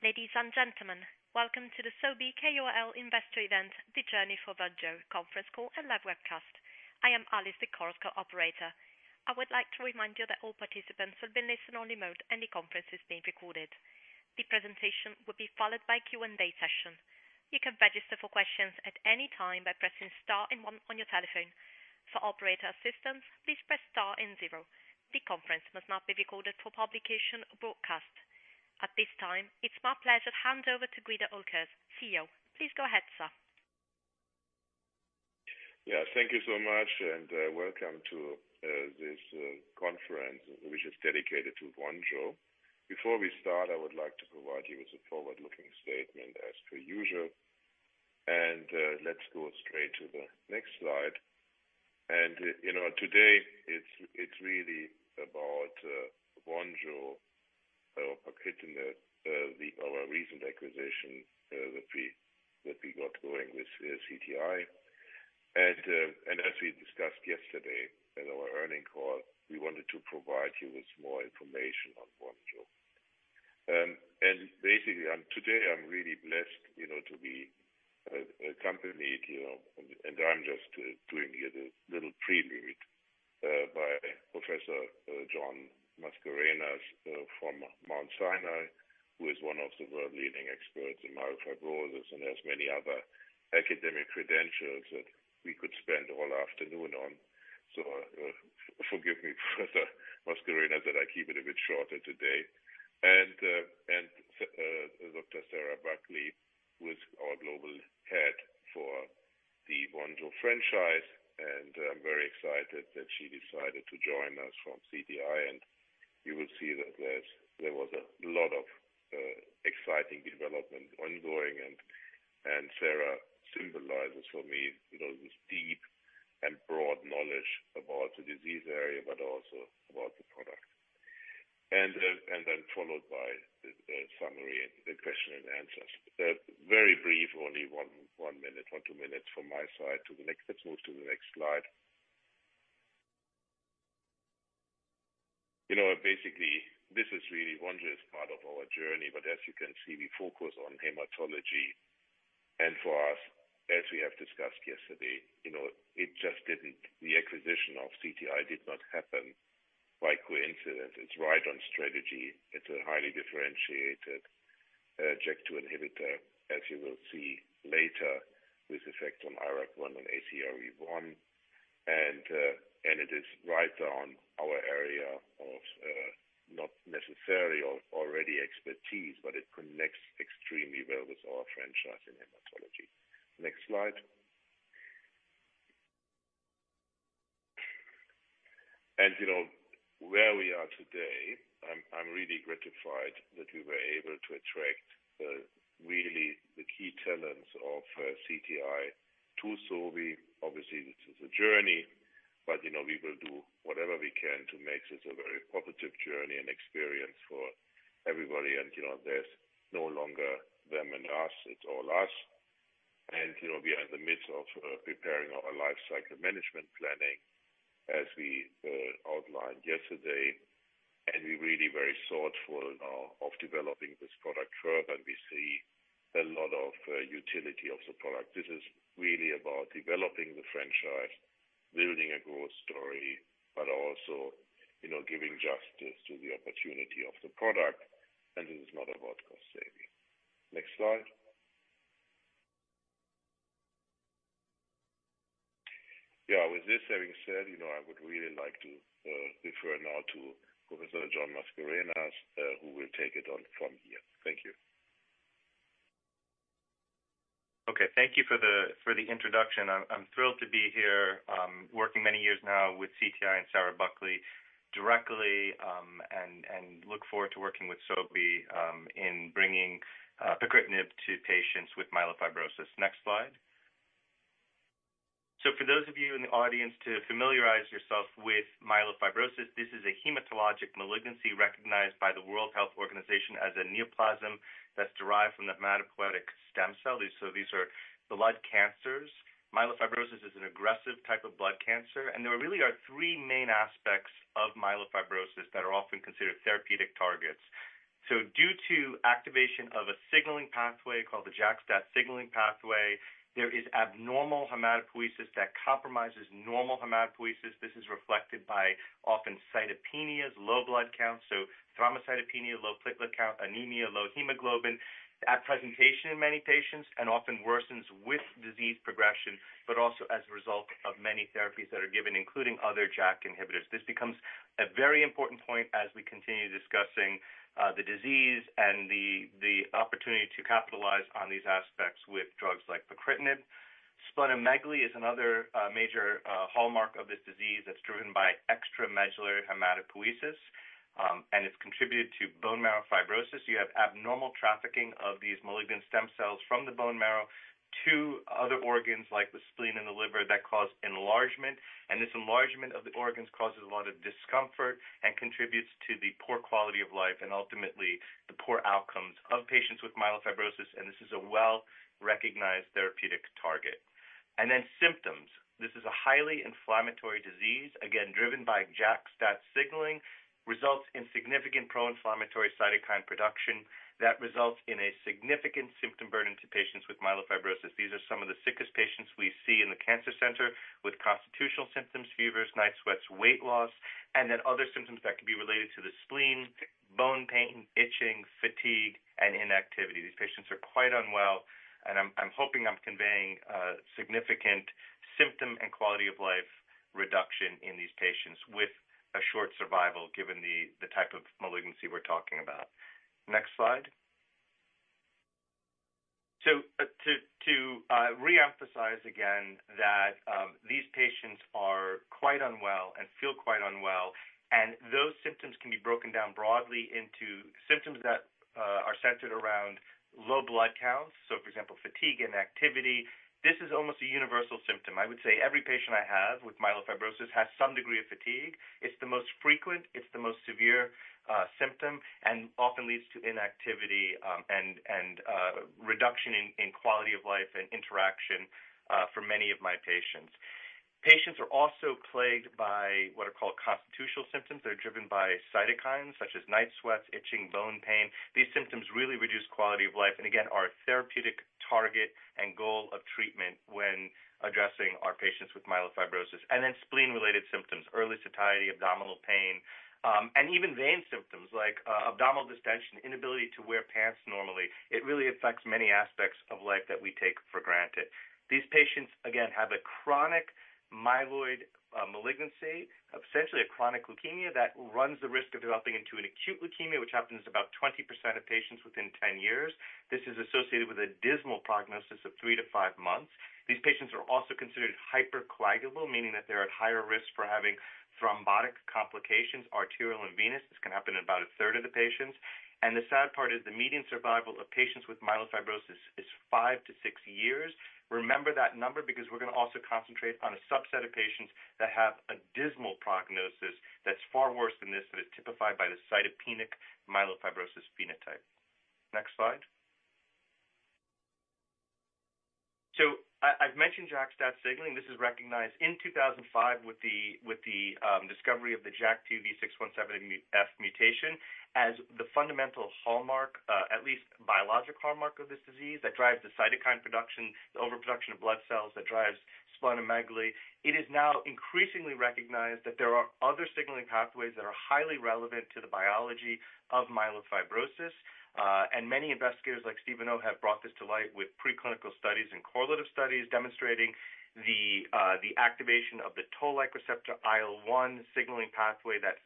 Ladies and gentlemen, welcome to the Sobi Investor Event, the Journey for Vonjo Conference Call and Live Webcast. I am Alice, the Chorus Call operator. I would like to remind you that all participants will be in listen-only mode, and the conference is being recorded. The presentation will be followed by a Q&A session. You can register for questions at any time by pressing star and one on your telephone. For operator assistance, please press star and zero. The conference must not be recorded for publication or broadcast. At this time, it's my pleasure to hand over to Guido Oelkers, CEO. Please go ahead, sir. Yes, thank you so much, and welcome to this conference, which is dedicated to Vonjo. Before we start, I would like to provide you with a forward-looking statement, as per usual, and let's go straight to the next slide, and today, it's really about Vonjo and pacritinib in our recent acquisition that we got going with CTI, and as we discussed yesterday in our earnings call, we wanted to provide you with more information on Vonjo, and basically, today, I'm really blessed to be accompanied, and I'm just doing here the little prelude by Professor John Mascarenhas, from Mount Sinai, who is one of the world-leading experts in myelofibrosis and has many other academic credentials that we could spend all afternoon on. So forgive me, Professor Mascarenhas, that I keep it a bit shorter today, and Dr. Sarah Buckley, who is our global head for the Vonjo franchise, and I'm very excited that she decided to join us from CTI, and you will see that there was a lot of exciting development ongoing, and Sarah symbolizes for me this deep and broad knowledge about the disease area, but also about the product, and then followed by the summary and the question and answers. Very brief, only one minute, one or two minutes from my side to the next. Let's move to the next slide. Basically, this is really Vonjo as part of our journey, but as you can see, we focus on hematology, and for us, as we have discussed yesterday, it just didn't, the acquisition of CTI did not happen by coincidence. It's right on strategy. It's a highly differentiated JAK2 inhibitor, as you will see later, with effect on IRAK1 and ACVR1. And it is right on our area of not necessarily already expertise, but it connects extremely well with our franchise in hematology. Next slide. And where we are today, I'm really gratified that we were able to attract really the key talents of CTI to Sobi. Obviously, this is a journey, but we will do whatever we can to make this a very positive journey and experience for everybody. And there's no longer them and us; it's all us. And we are in the midst of preparing our life cycle management planning, as we outlined yesterday. And we're really very thoughtful of developing this product further, and we see a lot of utility of the product. This is really about developing the franchise, building a growth story, but also giving justice to the opportunity of the product. And this is not about cost saving. Next slide. Yeah, with this having said, I would really like to refer now to Professor John Mascarenhas, who will take it on from here. Thank you. Okay, thank you for the introduction. I'm thrilled to be here, working many years now with CTI BioPharma and Sarah Buckley directly, and look forward to working with Sobi in bringing pacritinib to patients with myelofibrosis. Next slide. So for those of you in the audience to familiarize yourself with myelofibrosis, this is a hematologic malignancy recognized by the World Health Organization as a neoplasm that's derived from the hematopoietic stem cell. So these are blood cancers. Myelofibrosis is an aggressive type of blood cancer, and there really are three main aspects of myelofibrosis that are often considered therapeutic targets. So due to activation of a signaling pathway called the JAK-STAT signaling pathway, there is abnormal hematopoiesis that compromises normal hematopoiesis. This is reflected by often cytopenias, low blood counts, so thrombocytopenia, low platelet count, anemia, low hemoglobin at presentation in many patients, and often worsens with disease progression, but also as a result of many therapies that are given, including other JAK inhibitors. This becomes a very important point as we continue discussing the disease and the opportunity to capitalize on these aspects with drugs like pacritinib. Splenomegaly is another major hallmark of this disease that's driven by extramedullary hematopoiesis, and it's contributed to bone marrow fibrosis. You have abnormal trafficking of these malignant stem cells from the bone marrow to other organs like the spleen and the liver that cause enlargement. And this enlargement of the organs causes a lot of discomfort and contributes to the poor quality of life and ultimately the poor outcomes of patients with myelofibrosis. And this is a well-recognized therapeutic target. And then symptoms. This is a highly inflammatory disease, again, driven by JAK-STAT signaling, results in significant pro-inflammatory cytokine production that results in a significant symptom burden to patients with myelofibrosis. These are some of the sickest patients we see in the cancer center with constitutional symptoms: fevers, night sweats, weight loss, and then other symptoms that can be related to the spleen: bone pain, itching, fatigue, and inactivity. These patients are quite unwell, and I'm hoping I'm conveying significant symptom and quality of life reduction in these patients with a short survival given the type of malignancy we're talking about. Next slide. So to reemphasize again that these patients are quite unwell and feel quite unwell, and those symptoms can be broken down broadly into symptoms that are centered around low blood counts. So for example, fatigue, inactivity. This is almost a universal symptom. I would say every patient I have with myelofibrosis has some degree of fatigue. It's the most frequent, it's the most severe symptom, and often leads to inactivity and reduction in quality of life and interaction for many of my patients. Patients are also plagued by what are called constitutional symptoms. They're driven by cytokines such as night sweats, itching, bone pain. These symptoms really reduce quality of life and again, are a therapeutic target and goal of treatment when addressing our patients with myelofibrosis, and then spleen-related symptoms: early satiety, abdominal pain, and even vein symptoms like abdominal distention, inability to wear pants normally. It really affects many aspects of life that we take for granted. These patients, again, have a chronic myeloid malignancy, essentially a chronic leukemia that runs the risk of developing into an acute leukemia, which happens in about 20% of patients within 10 years. This is associated with a dismal prognosis of three to five months. These patients are also considered hypercoagulable, meaning that they're at higher risk for having thrombotic complications, arterial and venous. This can happen in about a third of the patients, and the sad part is the median survival of patients with myelofibrosis is five to six years. Remember that number because we're going to also concentrate on a subset of patients that have a dismal prognosis that's far worse than this, that is typified by the cytopenic myelofibrosis phenotype. Next slide, so I've mentioned JAK-STAT signaling. This is recognized in 2005 with the discovery of the JAK2 V617F mutation as the fundamental hallmark, at least biologic hallmark of this disease that drives the cytokine production, the overproduction of blood cells that drives splenomegaly. It is now increasingly recognized that there are other signaling pathways that are highly relevant to the biology of myelofibrosis. And many investigators, like Stephen Oh, have brought this to light with preclinical studies and correlative studies demonstrating the activation of the toll-like receptor IL-1 signaling pathway that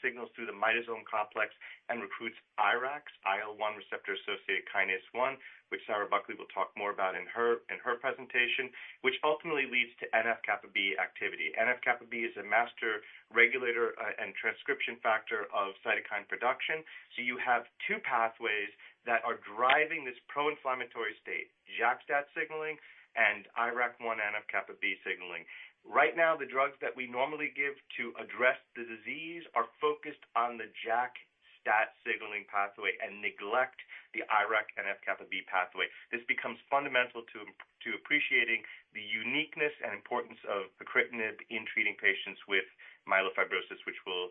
signals through the myddosome complex and recruits IRAK, IL-1 receptor-associated kinase 1, which Sarah Buckley will talk more about in her presentation, which ultimately leads to NF-kappaB activity. NF-kappaB is a master regulator and transcription factor of cytokine production. So you have two pathways that are driving this pro-inflammatory state: JAK-STAT signaling and IRAK1 NF-kappaB signaling. Right now, the drugs that we normally give to address the disease are focused on the JAK-STAT signaling pathway and neglect the IRAK1 NF-kappaB pathway. This becomes fundamental to appreciating the uniqueness and importance of pacritinib in treating patients with myelofibrosis, which we'll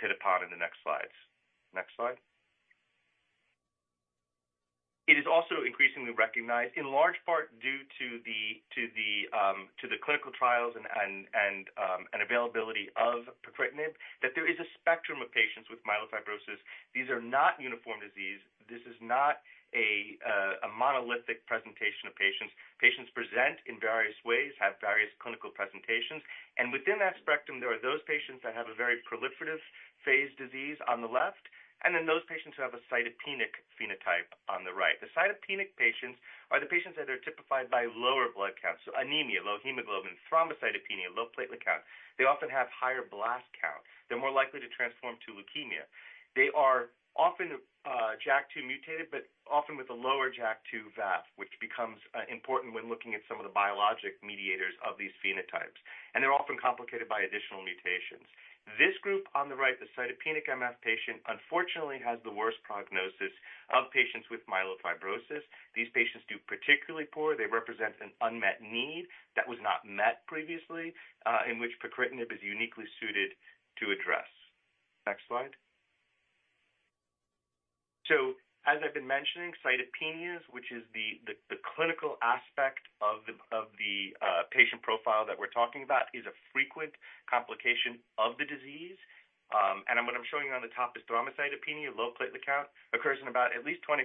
hit upon in the next slides. Next slide. It is also increasingly recognized, in large part due to the clinical trials and availability of pacritinib, that there is a spectrum of patients with myelofibrosis. These are not uniform disease. This is not a monolithic presentation of patients. Patients present in various ways, have various clinical presentations. And within that spectrum, there are those patients that have a very proliferative phase disease on the left, and then those patients who have a cytopenic phenotype on the right. The cytopenic patients are the patients that are typified by lower blood counts, so anemia, low hemoglobin, thrombocytopenia, low platelet count. They often have higher blast count. They're more likely to transform to leukemia. They are often JAK2 mutated, but often with a lower JAK2 VAF, which becomes important when looking at some of the biologic mediators of these phenotypes, and they're often complicated by additional mutations. This group on the right, the cytopenic MF patient, unfortunately has the worst prognosis of patients with myelofibrosis. These patients do particularly poor. They represent an unmet need that was not met previously, in which pacritinib is uniquely suited to address. Next slide, so as I've been mentioning, cytopenias, which is the clinical aspect of the patient profile that we're talking about, is a frequent complication of the disease, and what I'm showing you on the top is thrombocytopenia, low platelet count, occurs in about at least 25%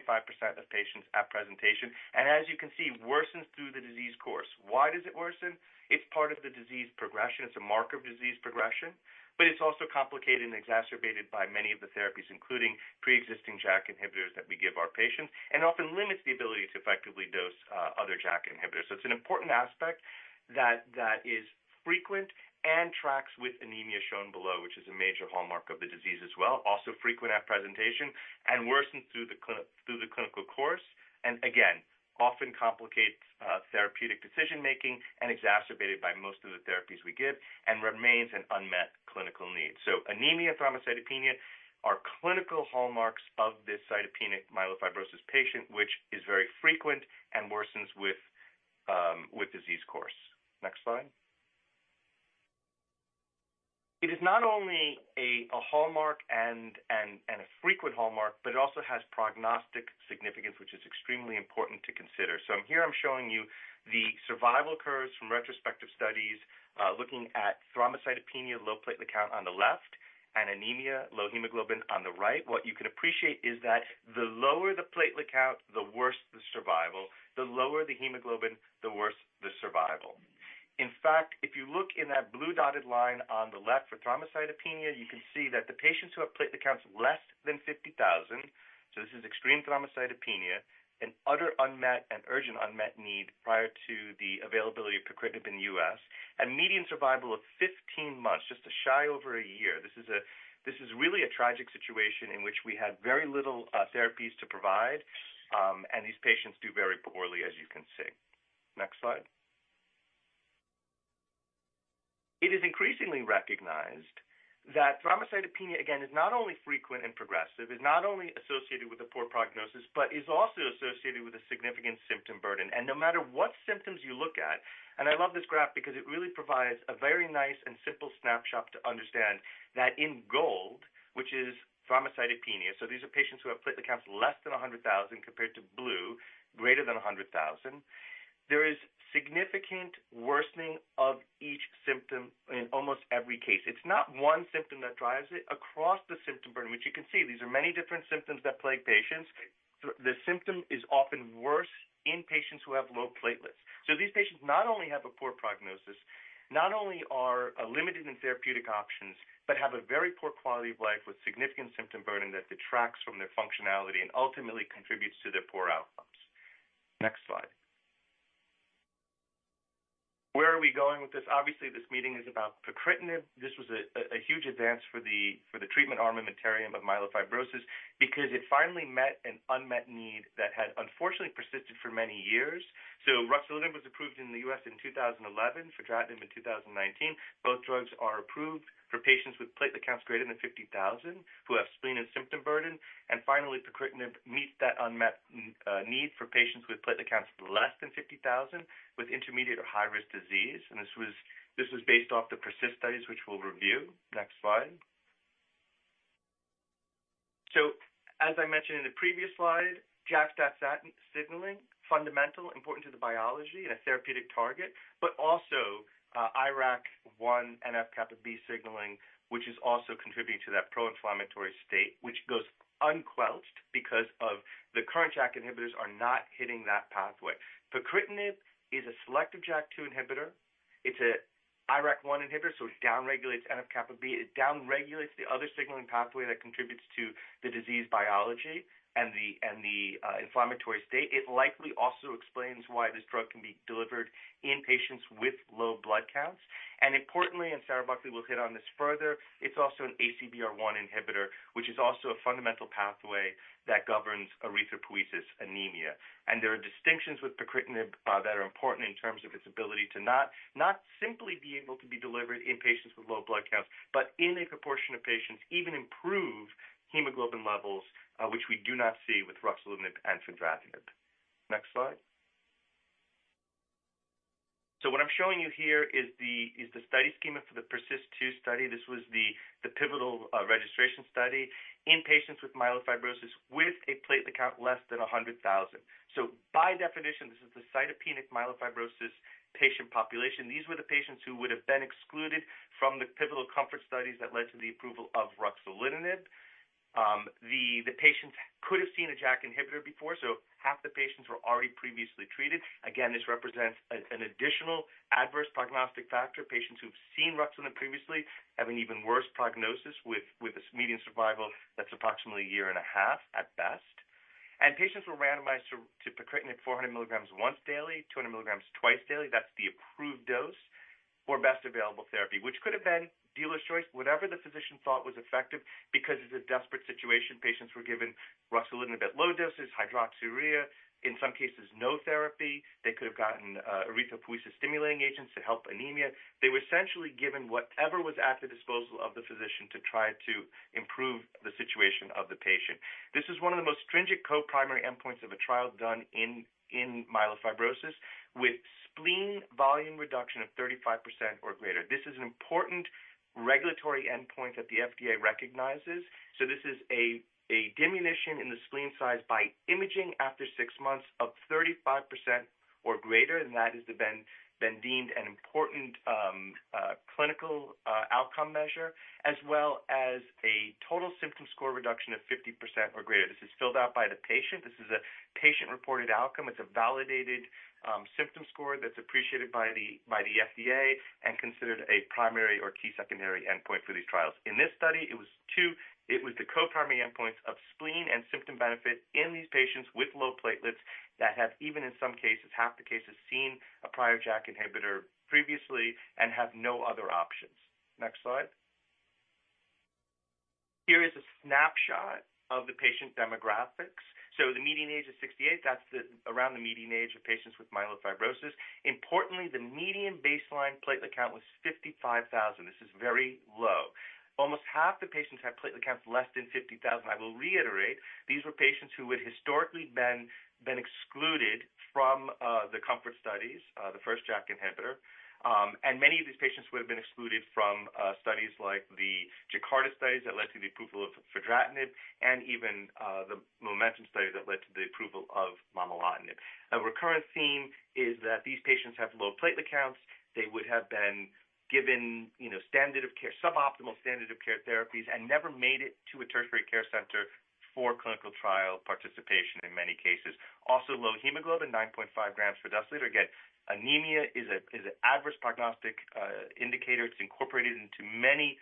of patients at presentation, and as you can see, worsens through the disease course. Why does it worsen? It's part of the disease progression. It's a mark of disease progression, but it's also complicated and exacerbated by many of the therapies, including pre-existing JAK inhibitors that we give our patients, and often limits the ability to effectively dose other JAK inhibitors, so it's an important aspect that is frequent and tracks with anemia shown below, which is a major hallmark of the disease as well. Also frequent at presentation and worsens through the clinical course, and again, often complicates therapeutic decision-making and exacerbated by most of the therapies we give and remains an unmet clinical need, so anemia and thrombocytopenia are clinical hallmarks of this cytopenic myelofibrosis patient, which is very frequent and worsens with disease course. Next slide. It is not only a hallmark and a frequent hallmark, but it also has prognostic significance, which is extremely important to consider. So here I'm showing you the survival curves from retrospective studies looking at thrombocytopenia, low platelet count on the left, and anemia, low hemoglobin on the right. What you can appreciate is that the lower the platelet count, the worse the survival. The lower the hemoglobin, the worse the survival. In fact, if you look in that blue dotted line on the left for thrombocytopenia, you can see that the patients who have platelet counts less than 50,000, so this is extreme thrombocytopenia, an utter unmet and urgent need prior to the availability of pacritinib in the U.S., and median survival of 15 months, just a shy over a year. This is really a tragic situation in which we had very little therapies to provide, and these patients do very poorly, as you can see. Next slide. It is increasingly recognized that thrombocytopenia, again, is not only frequent and progressive, is not only associated with a poor prognosis, but is also associated with a significant symptom burden, and no matter what symptoms you look at, and I love this graph because it really provides a very nice and simple snapshot to understand that in gold, which is thrombocytopenia, so these are patients who have platelet counts less than 100,000 compared to blue, greater than 100,000, there is significant worsening of each symptom in almost every case. It's not one symptom that drives it. Across the symptom burden, which you can see, these are many different symptoms that plague patients. The symptom is often worse in patients who have low platelets. These patients not only have a poor prognosis, not only are limited in therapeutic options, but have a very poor quality of life with significant symptom burden that detracts from their functionality and ultimately contributes to their poor outcomes. Next slide. Where are we going with this? Obviously, this meeting is about pacritinib. This was a huge advance for the treatment armamentarium of myelofibrosis because it finally met an unmet need that had unfortunately persisted for many years. Ruxolitinib was approved in the US in 2011, fedratinib in 2019. Both drugs are approved for patients with platelet counts greater than 50,000 who have spleen and symptom burden. Finally, pacritinib meets that unmet need for patients with platelet counts less than 50,000 with intermediate or high-risk disease. This was based off the PERSIST studies, which we'll review. Next slide. So as I mentioned in the previous slide, JAK-STAT signaling, fundamental, important to the biology and a therapeutic target, but also IRAK1 NF-kappaB signaling, which is also contributing to that pro-inflammatory state, which goes unquenched because the current JAK inhibitors are not hitting that pathway. Pacritinib is a selective JAK2 inhibitor. It's an IRAK1 inhibitor, so it downregulates NF-kappaB. It downregulates the other signaling pathway that contributes to the disease biology and the inflammatory state. It likely also explains why this drug can be delivered in patients with low blood counts. And importantly, and Sarah Buckley will hit on this further, it's also an ACVR1 inhibitor, which is also a fundamental pathway that governs erythropoiesis anemia. There are distinctions with pacritinib that are important in terms of its ability to not simply be able to be delivered in patients with low blood counts, but in a proportion of patients, even improve hemoglobin levels, which we do not see with ruxolitinib and fedratinib. Next slide. What I'm showing you here is the study schema for the PERSIST-2 study. This was the pivotal registration study in patients with myelofibrosis with a platelet count less than 100,000. By definition, this is the cytopenic myelofibrosis patient population. These were the patients who would have been excluded from the pivotal COMFORT studies that led to the approval of ruxolitinib. The patients could have seen a JAK inhibitor before, so half the patients were already previously treated. Again, this represents an additional adverse prognostic factor. Patients who've seen ruxolitinib previously have an even worse prognosis with a median survival that's approximately a year and a half at best, and patients were randomized to pacritinib 400 mg once daily, 200 mg twice daily. That's the approved dose or best available therapy, which could have been dealer's choice, whatever the physician thought was effective because it's a desperate situation. Patients were given ruxolitinib at low doses, hydroxyurea, in some cases no therapy. They could have gotten erythropoiesis stimulating agents to help anemia. They were essentially given whatever was at the disposal of the physician to try to improve the situation of the patient. This is one of the most stringent co-primary endpoints of a trial done in myelofibrosis with spleen volume reduction of 35% or greater. This is an important regulatory endpoint that the FDA recognizes. This is a diminution in the spleen size by imaging after six months of 35% or greater, and that has been deemed an important clinical outcome measure, as well as a Total Symptom Score reduction of 50% or greater. This is filled out by the patient. This is a patient-reported outcome. It's a validated symptom score that's appreciated by the FDA and considered a primary or key secondary endpoint for these trials. In this study, it was two. It was the co-primary endpoints of spleen and symptom benefit in these patients with low platelets that have, even in some cases, half the cases seen a prior JAK inhibitor previously and have no other options. Next slide. Here is a snapshot of the patient demographics. The median age is 68 year. That's around the median age of patients with myelofibrosis. Importantly, the median baseline platelet count was 55,000. This is very low. Almost half the patients had platelet counts less than 50,000. I will reiterate, these were patients who had historically been excluded from the COMFORT studies, the first JAK inhibitor. And many of these patients would have been excluded from studies like the JAKARTA studies that led to the approval of fedratinib and even the MOMENTUM study that led to the approval of momelotinib. A recurrent theme is that these patients have low platelet counts. They would have been given suboptimal standard of care therapies and never made it to a tertiary care center for clinical trial participation in many cases. Also, low hemoglobin, 9.5g/dL. Again, anemia is an adverse prognostic indicator. It's incorporated into many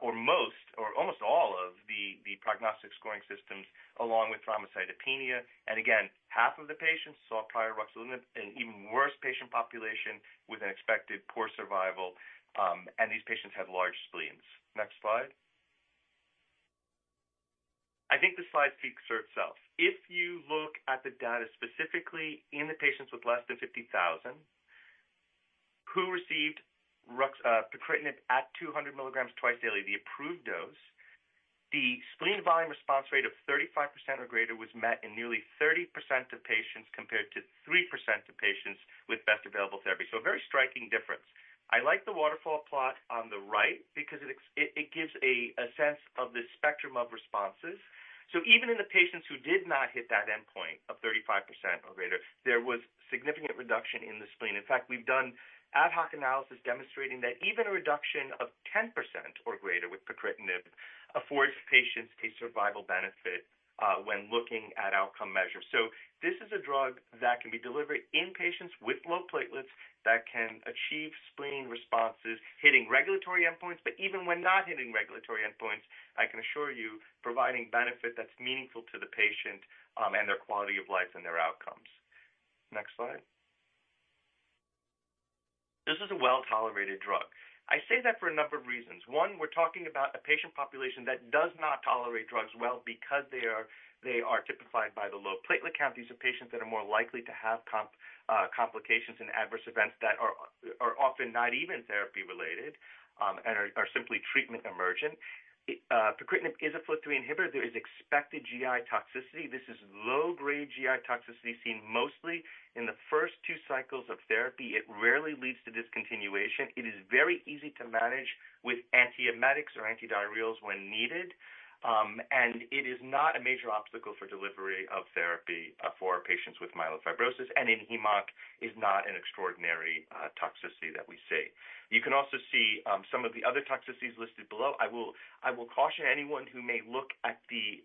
or most or almost all of the prognostic scoring systems along with thrombocytopenia. Again, half of the patients saw prior ruxolitinib in an even worse patient population with an expected poor survival, and these patients had large spleens. Next slide. I think the slide speaks for itself. If you look at the data specifically in the patients with less than 50,000 who received pacritinib at 200 mg twice daily, the approved dose, the spleen volume response rate of 35% or greater was met in nearly 30% of patients compared to 3% of patients with best available therapy. So a very striking difference. I like the waterfall plot on the right because it gives a sense of the spectrum of responses. So even in the patients who did not hit that endpoint of 35% or greater, there was significant reduction in the spleen. In fact, we've done ad hoc analysis demonstrating that even a reduction of 10% or greater with pacritinib affords patients a survival benefit when looking at outcome measures. So this is a drug that can be delivered in patients with low platelets that can achieve spleen responses hitting regulatory endpoints, but even when not hitting regulatory endpoints, I can assure you providing benefit that's meaningful to the patient and their quality of life and their outcomes. Next slide. This is a well-tolerated drug. I say that for a number of reasons. One, we're talking about a patient population that does not tolerate drugs well because they are typified by the low platelet count. These are patients that are more likely to have complications and adverse events that are often not even therapy-related and are simply treatment emergent. Pacritinib is a FLT3 inhibitor. There is expected GI toxicity. This is low-grade GI toxicity seen mostly in the first two cycles of therapy. It rarely leads to discontinuation. It is very easy to manage with antiemetics or antidiarrheals when needed. And it is not a major obstacle for delivery of therapy for patients with myelofibrosis. And in hem-onc, it is not an extraordinary toxicity that we see. You can also see some of the other toxicities listed below. I will caution anyone who may look at the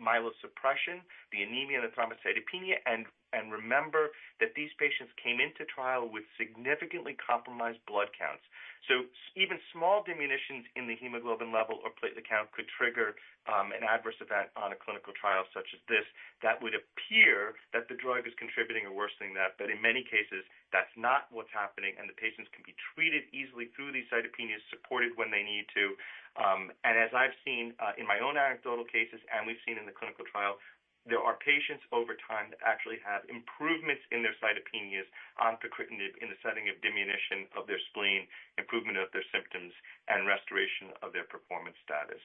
myelosuppression, the anemia, and the thrombocytopenia, and remember that these patients came into trial with significantly compromised blood counts. So even small diminutions in the hemoglobin level or platelet count could trigger an adverse event on a clinical trial such as this. That would appear that the drug is contributing or worsening that, but in many cases, that's not what's happening, and the patients can be treated easily through these cytopenias, supported when they need to. And as I've seen in my own anecdotal cases, and we've seen in the clinical trial, there are patients over time that actually have improvements in their cytopenias on pacritinib in the setting of diminution of their spleen, improvement of their symptoms, and restoration of their performance status.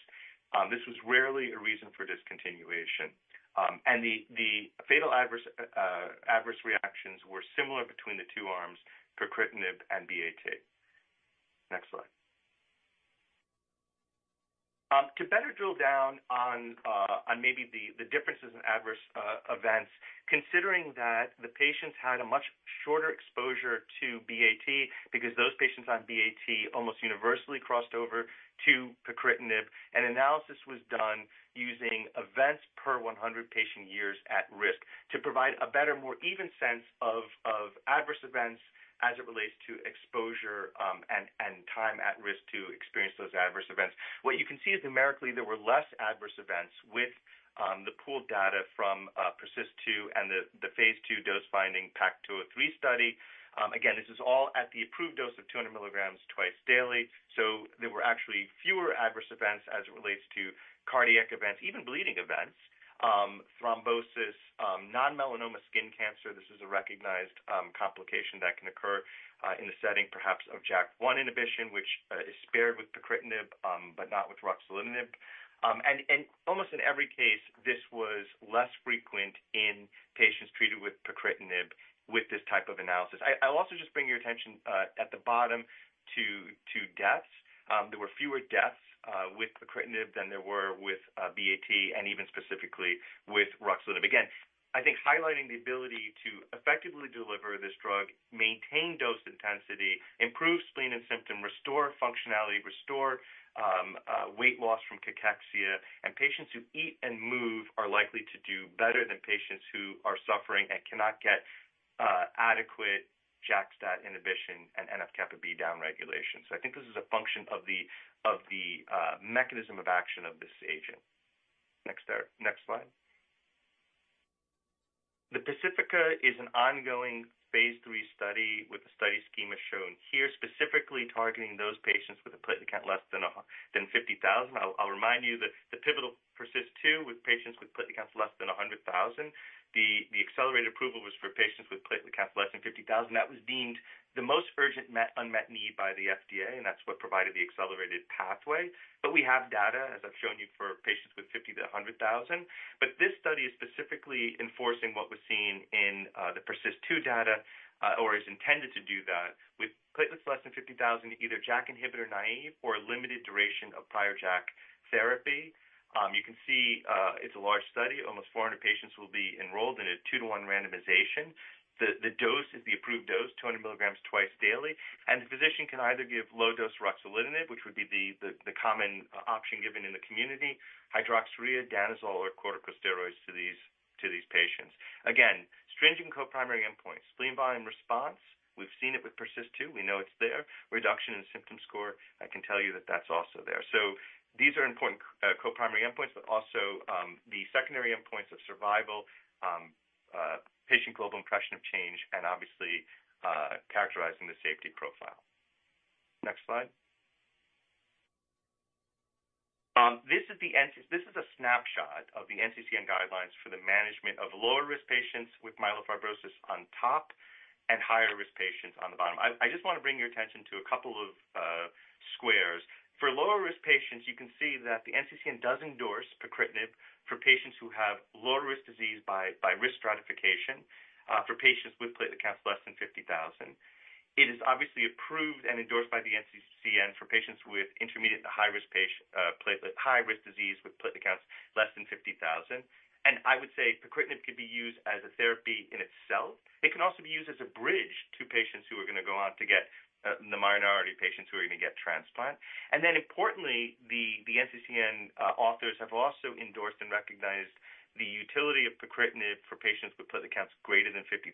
This was rarely a reason for discontinuation. And the fatal adverse reactions were similar between the two arms, pacritinib and BAT. Next slide. To better drill down on maybe the differences in adverse events, considering that the patients had a much shorter exposure to BAT because those patients on BAT almost universally crossed over to pacritinib, an analysis was done using events per 100 patient years at risk to provide a better, more even sense of adverse events as it relates to exposure and time at risk to experience those adverse events. What you can see is numerically, there were less adverse events with the pooled data from PERSIST-2 and the phase II dose-finding PAC203 study. Again, this is all at the approved dose of 200 mg twice daily. So there were actually fewer adverse events as it relates to cardiac events, even bleeding events, thrombosis, non-melanoma skin cancer. This is a recognized complication that can occur in the setting perhaps of JAK1 inhibition, which is spared with pacritinib but not with ruxolitinib. And almost in every case, this was less frequent in patients treated with pacritinib with this type of analysis. I'll also just bring your attention at the bottom to deaths. There were fewer deaths with pacritinib than there were with BAT and even specifically with ruxolitinib. Again, I think highlighting the ability to effectively deliver this drug, maintain dose intensity, improve spleen and symptom, restore functionality, restore weight loss from cachexia, and patients who eat and move are likely to do better than patients who are suffering and cannot get adequate JAK-STAT inhibition and NF-kappaB downregulation. So I think this is a function of the mechanism of action of this agent. Next slide. The PACIFICA is an ongoing phase III study with the study schema shown here, specifically targeting those patients with a platelet count less than 50,000. I'll remind you that the pivotal PERSIST-2 with patients with platelet counts less than 100,000. The accelerated approval was for patients with platelet counts less than 50,000. That was deemed the most urgent unmet need by the FDA, and that's what provided the accelerated pathway. But we have data, as I've shown you, for patients with 50,000 to 100,000. But this study is specifically enforcing what was seen in the PERSIST-2 data or is intended to do that with platelets less than 50,000, either JAK inhibitor naive or limited duration of prior JAK therapy. You can see it's a large study. Almost 400 patients will be enrolled in a two-to-one randomization. The dose is the approved dose, 200 mg twice daily. The physician can either give low-dose ruxolitinib, which would be the common option given in the community, hydroxyurea, danazol, or corticosteroids to these patients. Again, stringent co-primary endpoints, spleen volume response. We've seen it with PERSIST-2. We know it's there. Reduction in symptom score, I can tell you that that's also there. So these are important co-primary endpoints, but also the secondary endpoints of survival, Patient Global Impression of Change, and obviously characterizing the safety profile. Next slide. This is a snapshot of the NCCN guidelines for the management of lower-risk patients with myelofibrosis on top and higher-risk patients on the bottom. I just want to bring your attention to a couple of squares. For lower-risk patients, you can see that the NCCN does endorse pacritinib for patients who have lower-risk disease by risk stratification for patients with platelet counts less than 50,000. It is obviously approved and endorsed by the NCCN for patients with intermediate to high-risk disease with platelet counts less than 50,000, and I would say pacritinib could be used as a therapy in itself. It can also be used as a bridge to patients who are going to go on to get the minority patients who are going to get transplant, and then importantly, the NCCN authors have also endorsed and recognized the utility of pacritinib for patients with platelet counts greater than 50,000.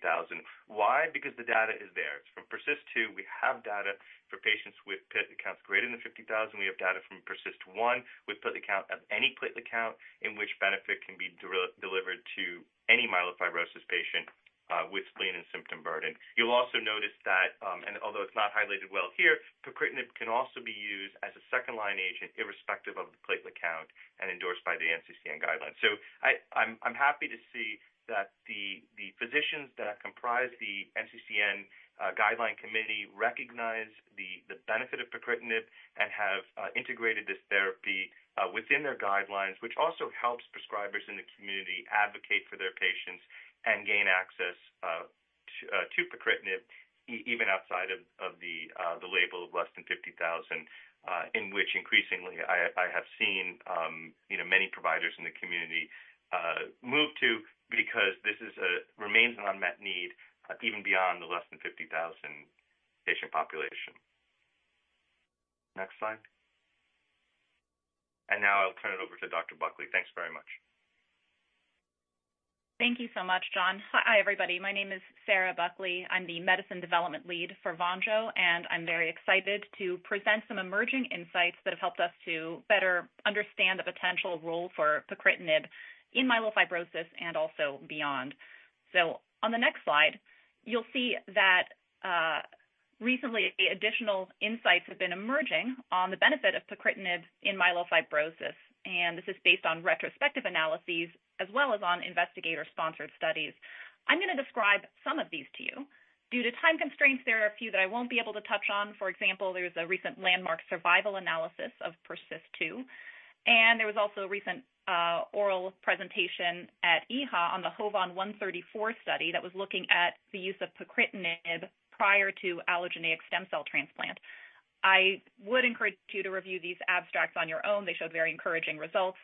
Why? Because the data is there. It's from PERSIST-2. We have data for patients with platelet counts greater than 50,000. We have data from PERSIST-1 with platelet count of any platelet count in which benefit can be delivered to any myelofibrosis patient with spleen and symptom burden. You'll also notice that, and although it's not highlighted well here, pacritinib can also be used as a second-line agent irrespective of the platelet count and endorsed by the NCCN guidelines. I'm happy to see that the physicians that comprise the NCCN guideline committee recognize the benefit of pacritinib and have integrated this therapy within their guidelines, which also helps prescribers in the community advocate for their patients and gain access to pacritinib even outside of the label of less than 50,000, in which increasingly I have seen many providers in the community move to because this remains an unmet need even beyond the less than 50,000 patient population. Next slide. Now I'll turn it over to Dr. Buckley. Thanks very much. Thank you so much, John. Hi, everybody. My name is Sarah Buckley. I'm the Medicine Development Lead for Vonjo, and I'm very excited to present some emerging insights that have helped us to better understand the potential role for pacritinib in myelofibrosis and also beyond, so on the next slide, you'll see that recently additional insights have been emerging on the benefit of pacritinib in myelofibrosis, and this is based on retrospective analyses as well as on investigator-sponsored studies. I'm going to describe some of these to you. Due to time constraints, there are a few that I won't be able to touch on. For example, there was a recent landmark survival analysis of PERSIST-2, and there was also a recent oral presentation at EHA on the HOVON-134 study that was looking at the use of pacritinib prior to allogeneic stem cell transplant. I would encourage you to review these abstracts on your own. They showed very encouraging results.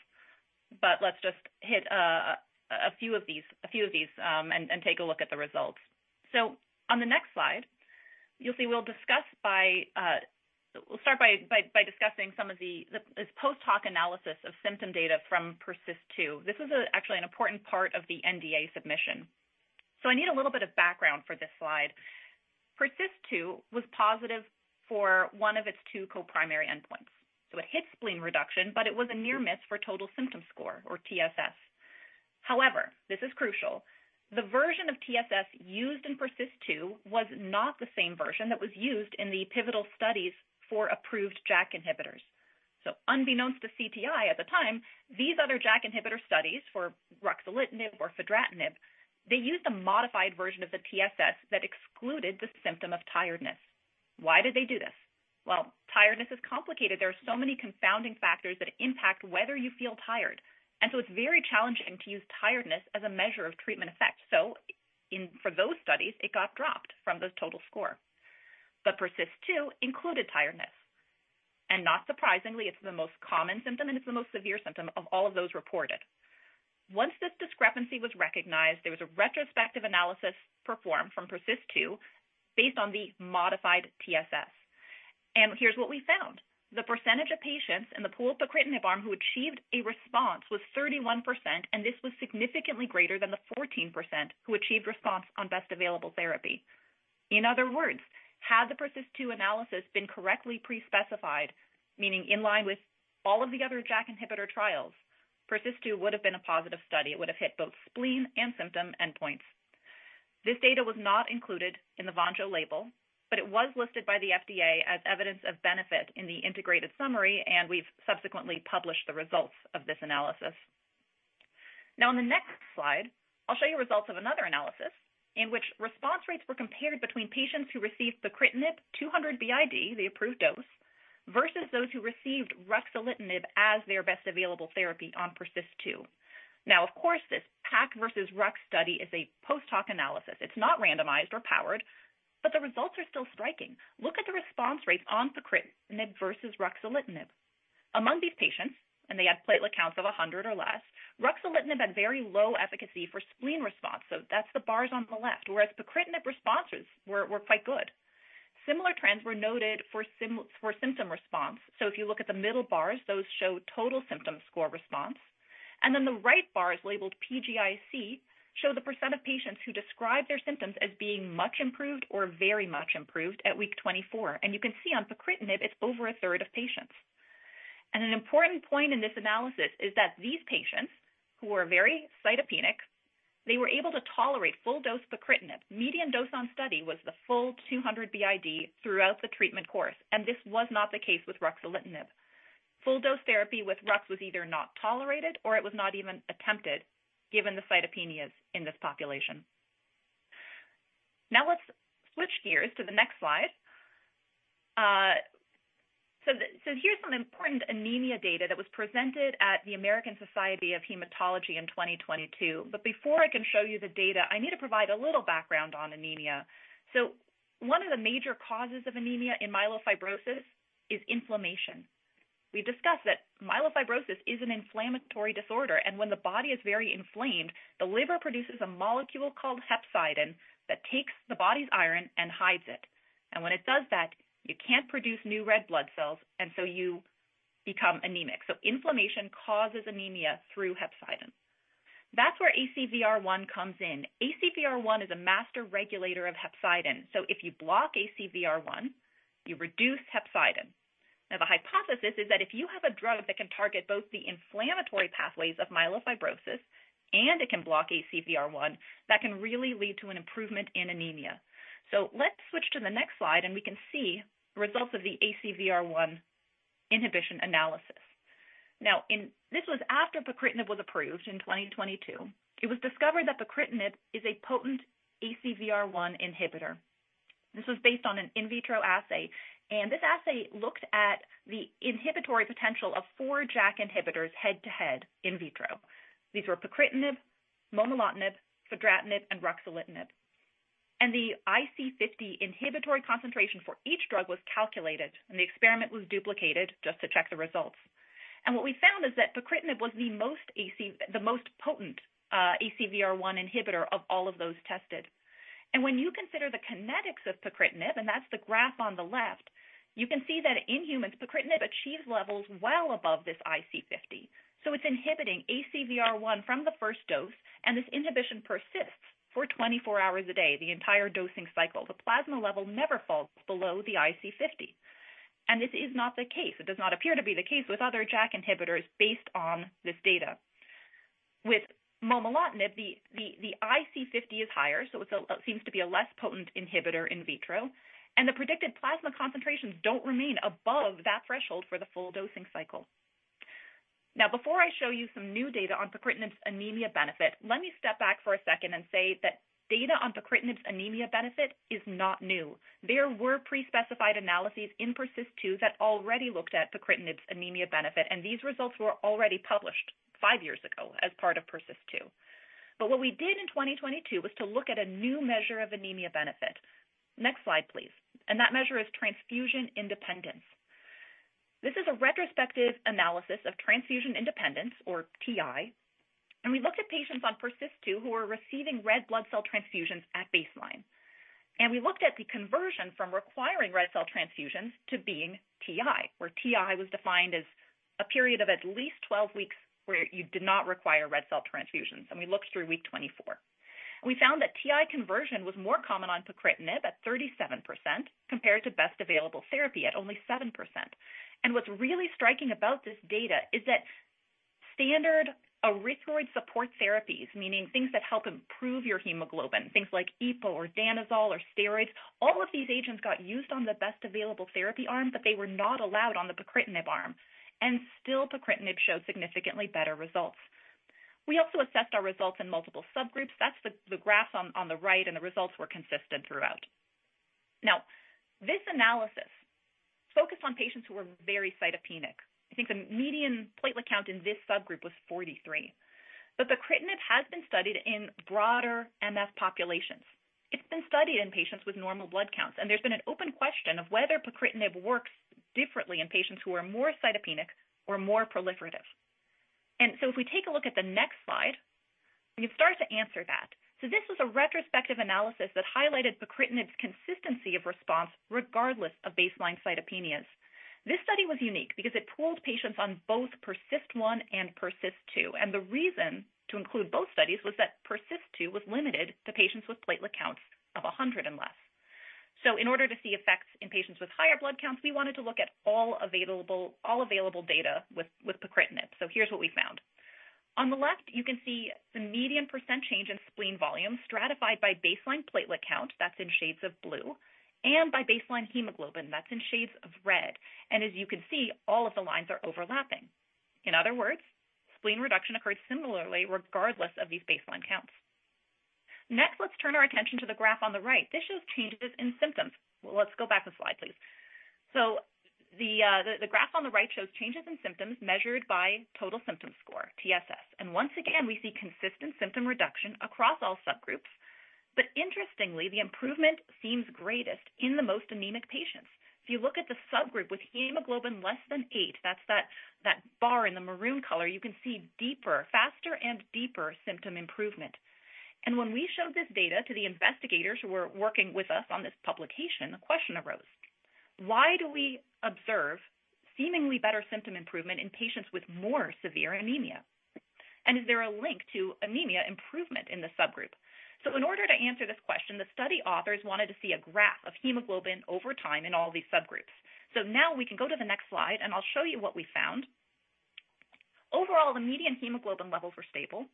But let's just hit a few of these and take a look at the results. So on the next slide, you'll see we'll start by discussing some of the post-hoc analysis of symptom data from PERSIST-2. This is actually an important part of the NDA submission. So I need a little bit of background for this slide. PERSIST-2 was positive for one of its two co-primary endpoints. So it hit spleen reduction, but it was a near miss for total symptom score, or TSS. However, this is crucial. The version of TSS used in PERSIST-2 was not the same version that was used in the pivotal studies for approved JAK inhibitors. So unbeknownst to CTI at the time, these other JAK inhibitor studies for ruxolitinib or fedratinib, they used a modified version of the TSS that excluded the symptom of tiredness. Why did they do this? Tiredness is complicated. There are so many confounding factors that impact whether you feel tired. So it's very challenging to use tiredness as a measure of treatment effect. For those studies, it got dropped from the total score. PERSIST-2 included tiredness. Not surprisingly, it's the most common symptom, and it's the most severe symptom of all of those reported. Once this discrepancy was recognized, there was a retrospective analysis performed from PERSIST-2 based on the modified TSS. Here's what we found. The percentage of patients in the pooled pacritinib arm who achieved a response was 31%, and this was significantly greater than the 14% who achieved response on best available therapy. In other words, had the PERSIST-2 analysis been correctly pre-specified, meaning in line with all of the other JAK inhibitor trials, PERSIST-2 would have been a positive study. It would have hit both spleen and symptom endpoints. This data was not included in the Vonjo label, but it was listed by the FDA as evidence of benefit in the integrated summary, and we've subsequently published the results of this analysis. Now, on the next slide, I'll show you results of another analysis in which response rates were compared between patients who received pacritinib 200 BID, the approved dose, versus those who received ruxolitinib as their best available therapy on PERSIST-2. Now, of course, this PAC versus RUX study is a post-hoc analysis. It's not randomized or powered, but the results are still striking. Look at the response rates on pacritinib versus ruxolitinib. Among these patients, and they had platelet counts of 100 or less, ruxolitinib had very low efficacy for spleen response. So that's the bars on the left, whereas pacritinib responses were quite good. Similar trends were noted for symptom response. So if you look at the middle bars, those show Total Symptom Score response. And then the right bars labeled PGIC show the percentage of patients who described their symptoms as being much improved or very much improved at week 24. And you can see on pacritinib, it's over a third of patients. And an important point in this analysis is that these patients who are very cytopenic, they were able to tolerate full-dose pacritinib. Median dose on study was the full 200 BID throughout the treatment course. And this was not the case with ruxolitinib. Full-dose therapy with RUX was either not tolerated or it was not even attempted given the cytopenias in this population. Now, let's switch gears to the next slide. So here's some important anemia data that was presented at the American Society of Hematology in 2022. But before I can show you the data, I need to provide a little background on anemia. So one of the major causes of anemia in myelofibrosis is inflammation. We've discussed that myelofibrosis is an inflammatory disorder. And when the body is very inflamed, the liver produces a molecule called hepcidin that takes the body's iron and hides it. And when it does that, you can't produce new red blood cells, and so you become anemic. So inflammation causes anemia through hepcidin. That's where ACVR1 comes in. ACVR1 is a master regulator of hepcidin. So if you block ACVR1, you reduce hepcidin. Now, the hypothesis is that if you have a drug that can target both the inflammatory pathways of myelofibrosis and it can block ACVR1, that can really lead to an improvement in anemia, so let's switch to the next slide, and we can see the results of the ACVR1 inhibition analysis. Now, this was after pacritinib was approved in 2022. It was discovered that pacritinib is a potent ACVR1 inhibitor. This was based on an in vitro assay, and this assay looked at the inhibitory potential of four JAK inhibitors head-to-head in vitro. These were pacritinib, momelotinib, fedratinib, and ruxolitinib. And the IC50 inhibitory concentration for each drug was calculated, and the experiment was duplicated just to check the results, and what we found is that pacritinib was the most potent ACVR1 inhibitor of all of those tested. And when you consider the kinetics of pacritinib, and that's the graph on the left, you can see that in humans, pacritinib achieves levels well above this IC50. So it's inhibiting ACVR1 from the first dose, and this inhibition persists for 24 hours a day, the entire dosing cycle. The plasma level never falls below the IC50. And this is not the case. It does not appear to be the case with other JAK inhibitors based on this data. With momelotinib, the IC50 is higher, so it seems to be a less potent inhibitor in vitro. And the predicted plasma concentrations don't remain above that threshold for the full dosing cycle. Now, before I show you some new data on pacritinib's anemia benefit, let me step back for a second and say that data on pacritinib's anemia benefit is not new. There were pre-specified analyses in PERSIST-2 that already looked at pacritinib's anemia benefit, and these results were already published five years ago as part of PERSIST-2. But what we did in 2022 was to look at a new measure of anemia benefit. Next slide, please. And that measure is transfusion independence. This is a retrospective analysis of transfusion independence, or TI. And we looked at patients on PERSIST-2 who were receiving red blood cell transfusions at baseline. And we looked at the conversion from requiring red cell transfusions to being TI, where TI was defined as a period of at least 12 weeks where you did not require red cell transfusions. And we looked through week 24. We found that TI conversion was more common on pacritinib at 37% compared to best available therapy at only 7%. What's really striking about this data is that standard erythroid support therapies, meaning things that help improve your hemoglobin, things like EPO or danazol or steroids, all of these agents got used on the best available therapy arm, but they were not allowed on the pacritinib arm. Still, pacritinib showed significantly better results. We also assessed our results in multiple subgroups. That's the graph on the right, and the results were consistent throughout. Now, this analysis focused on patients who were very cytopenic. I think the median platelet count in this subgroup was 43. Pacritinib has been studied in broader MF populations. It's been studied in patients with normal blood counts, and there's been an open question of whether pacritinib works differently in patients who are more cytopenic or more proliferative. If we take a look at the next slide, we can start to answer that. This was a retrospective analysis that highlighted pacritinib's consistency of response regardless of baseline cytopenias. This study was unique because it pooled patients on both PERSIST-1 and PERSIST-2. The reason to include both studies was that PERSIST-2 was limited to patients with platelet counts of 100 and less. In order to see effects in patients with higher blood counts, we wanted to look at all available data with pacritinib. Here's what we found. On the left, you can see the median percent change in spleen volume stratified by baseline platelet count, that's in shades of blue, and by baseline hemoglobin, that's in shades of red. As you can see, all of the lines are overlapping. In other words, spleen reduction occurred similarly regardless of these baseline counts. Next, let's turn our attention to the graph on the right. This shows changes in symptoms. Well, let's go back a slide, please. So the graph on the right shows changes in symptoms measured by total symptom score, TSS. And once again, we see consistent symptom reduction across all subgroups. But interestingly, the improvement seems greatest in the most anemic patients. If you look at the subgroup with hemoglobin less than eight, that's that bar in the maroon color, you can see deeper, faster, and deeper symptom improvement. And when we showed this data to the investigators who were working with us on this publication, a question arose. Why do we observe seemingly better symptom improvement in patients with more severe anemia? And is there a link to anemia improvement in the subgroup? So in order to answer this question, the study authors wanted to see a graph of hemoglobin over time in all these subgroups. So now we can go to the next slide, and I'll show you what we found. Overall, the median hemoglobin levels were stable.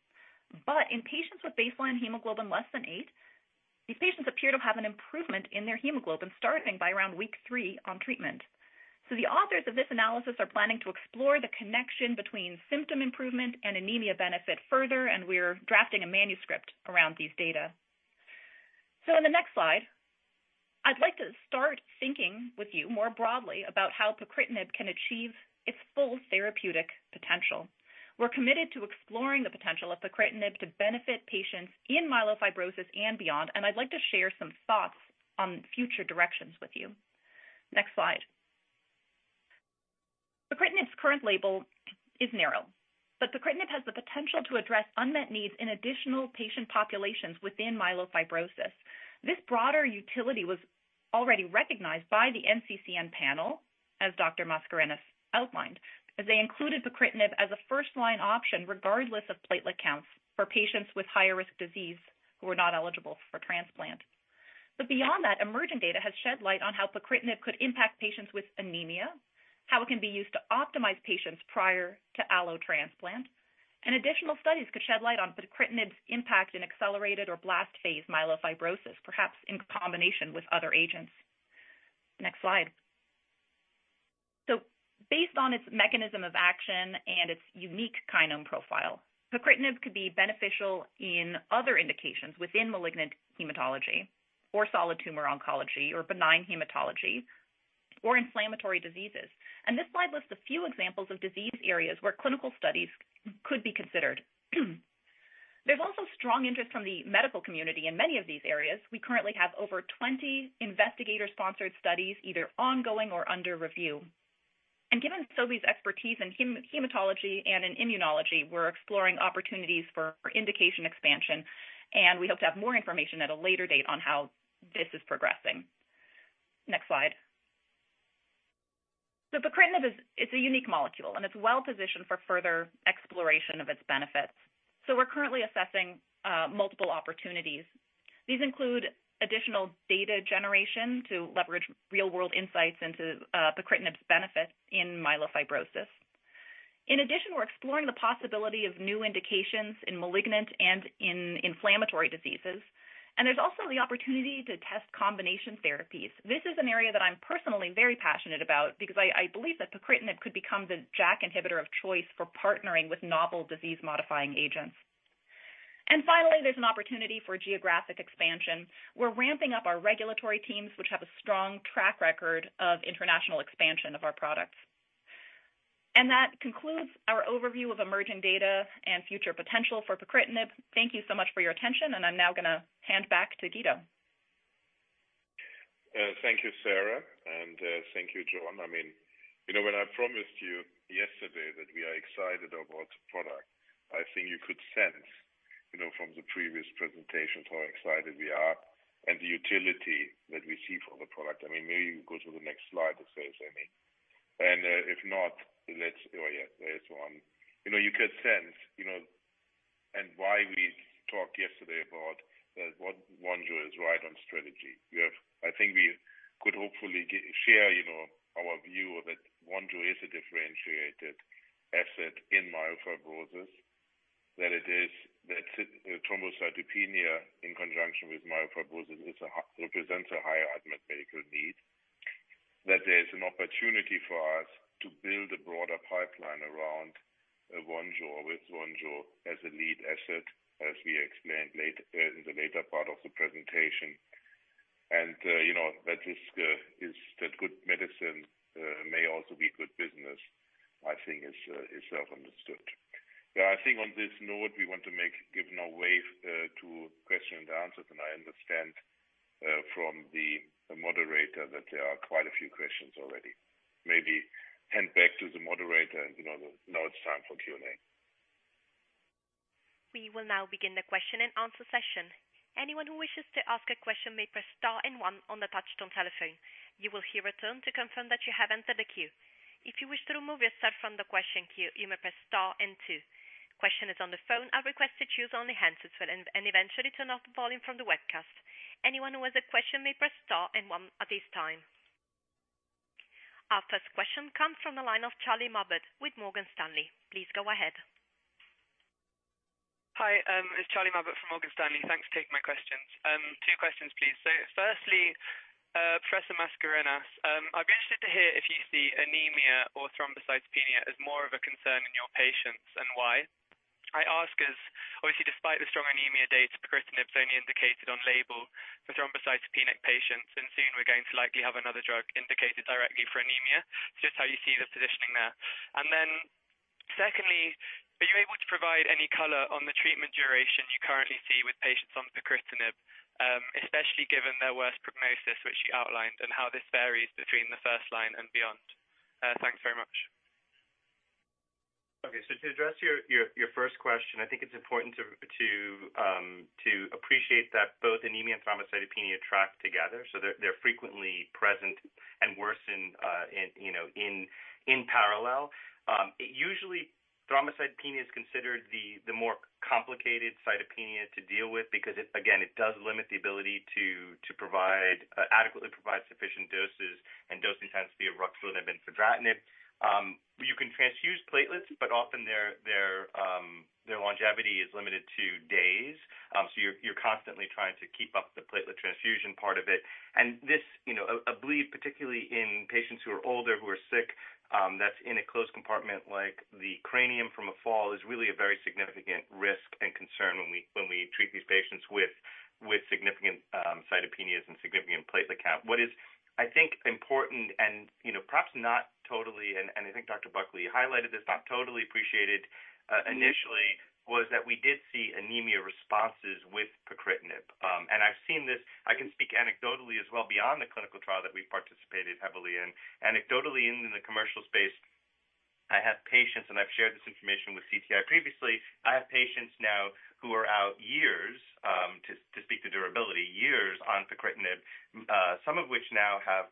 But in patients with baseline hemoglobin less than eight, these patients appear to have an improvement in their hemoglobin starting by around week three on treatment. So the authors of this analysis are planning to explore the connection between symptom improvement and anemia benefit further, and we're drafting a manuscript around these data. So on the next slide, I'd like to start thinking with you more broadly about how pacritinib can achieve its full therapeutic potential. We're committed to exploring the potential of pacritinib to benefit patients in myelofibrosis and beyond, and I'd like to share some thoughts on future directions with you. Next slide. Pacritinib's current label is narrow, but pacritinib has the potential to address unmet needs in additional patient populations within myelofibrosis. This broader utility was already recognized by the NCCN panel, as Dr. Mascarenhas outlined, as they included pacritinib as a first-line option regardless of platelet counts for patients with higher-risk disease who are not eligible for transplant. But beyond that, emerging data has shed light on how pacritinib could impact patients with anemia, how it can be used to optimize patients prior to allotransplant, and additional studies could shed light on pacritinib's impact in accelerated or blast phase myelofibrosis, perhaps in combination with other agents. Next slide. So based on its mechanism of action and its unique kinome profile, pacritinib could be beneficial in other indications within malignant hematology or solid tumor oncology or benign hematology or inflammatory diseases. This slide lists a few examples of disease areas where clinical studies could be considered. There's also strong interest from the medical community in many of these areas. We currently have over 20 investigator-sponsored studies, either ongoing or under review. Given Sobi's expertise in hematology and in immunology, we're exploring opportunities for indication expansion, and we hope to have more information at a later date on how this is progressing. Next slide. Pacritinib is a unique molecule, and it's well-positioned for further exploration of its benefits. We're currently assessing multiple opportunities. These include additional data generation to leverage real-world insights into pacritinib's benefits in myelofibrosis. In addition, we're exploring the possibility of new indications in malignant and in inflammatory diseases. There's also the opportunity to test combination therapies. This is an area that I'm personally very passionate about because I believe that pacritinib could become the JAK inhibitor of choice for partnering with novel disease-modifying agents, and finally, there's an opportunity for geographic expansion. We're ramping up our regulatory teams, which have a strong track record of international expansion of our products, and that concludes our overview of emerging data and future potential for pacritinib. Thank you so much for your attention, and I'm now going to hand back to Guido. Thank you, Sarah, and thank you, John. I mean, you know, when I promised you yesterday that we are excited about the product, I think you could sense, you know, from the previous presentations how excited we are and the utility that we see for the product. I mean, maybe you go to the next slide, if there is any. And if not, let's, oh, yeah, there is one. You know, you could sense, you know, and why we talked yesterday about what Vonjo is right on strategy. I think we could hopefully share, you know, our view that Vonjo is a differentiated asset in myelofibrosis, that it is that thrombocytopenia in conjunction with myelofibrosis represents a higher unmet medical need, that there is an opportunity for us to build a broader pipeline around Vonjo or with Vonjo as a lead asset, as we explained in the later part of the presentation. And, you know, that this is that good medicine may also be good business, I think, is self-understood. Yeah, I think on this note, we want to give way to question and answer, and I understand from the moderator that there are quite a few questions already. Maybe hand back to the moderator, and you know, now it's time for Q&A. We will now begin the question and answer session. Anyone who wishes to ask a question may press star and one on the touch-tone telephone. You will hear a tone to confirm that you have entered the queue. If you wish to remove yourself from the question queue, you may press star and two. Questioners on the phone are requested to use only the handset and turn off the volume from the webcast. Anyone who has a question may press star and one at this time. Our first question comes from the line of Charlie Mabbutt with Morgan Stanley. Please go ahead. Hi, it's Charlie Mabbutt from Morgan Stanley. Thanks for taking my questions. Two questions, please. So firstly, Professor Mascarenhas, I'd be interested to hear if you see anemia or thrombocytopenia as more of a concern in your patients and why. I ask because, obviously, despite the strong anemia data, pacritinib is only indicated on label for thrombocytopenic patients, and soon we're going to likely have another drug indicated directly for anemia. It's just how you see the positioning there. And then secondly, are you able to provide any color on the treatment duration you currently see with patients on pacritinib, especially given their worst prognosis, which you outlined, and how this varies between the first line and beyond? Thanks very much. Okay, so to address your first question, I think it's important to appreciate that both anemia and thrombocytopenia track together. So they're frequently present and worsen, you know, in parallel. Usually, thrombocytopenia is considered the more complicated cytopenia to deal with because, again, it does limit the ability to adequately provide sufficient doses and dose intensity of ruxolitinib and fedratinib. You can transfuse platelets, but often their longevity is limited to days. So you're constantly trying to keep up the platelet transfusion part of it. And this, you know, I believe particularly in patients who are older, who are sick, that's in a closed compartment like the cranium from a fall is really a very significant risk and concern when we treat these patients with significant cytopenias and significant platelet count. What is, I think, important and, you know, perhaps not totally, and I think Dr. Buckley highlighted this, not totally appreciated initially, was that we did see anemia responses with pacritinib. And I've seen this. I can speak anecdotally as well beyond the clinical trial that we've participated heavily in. Anecdotally, in the commercial space, I have patients, and I've shared this information with CTI previously. I have patients now who are out years to speak to durability, years on pacritinib, some of which now have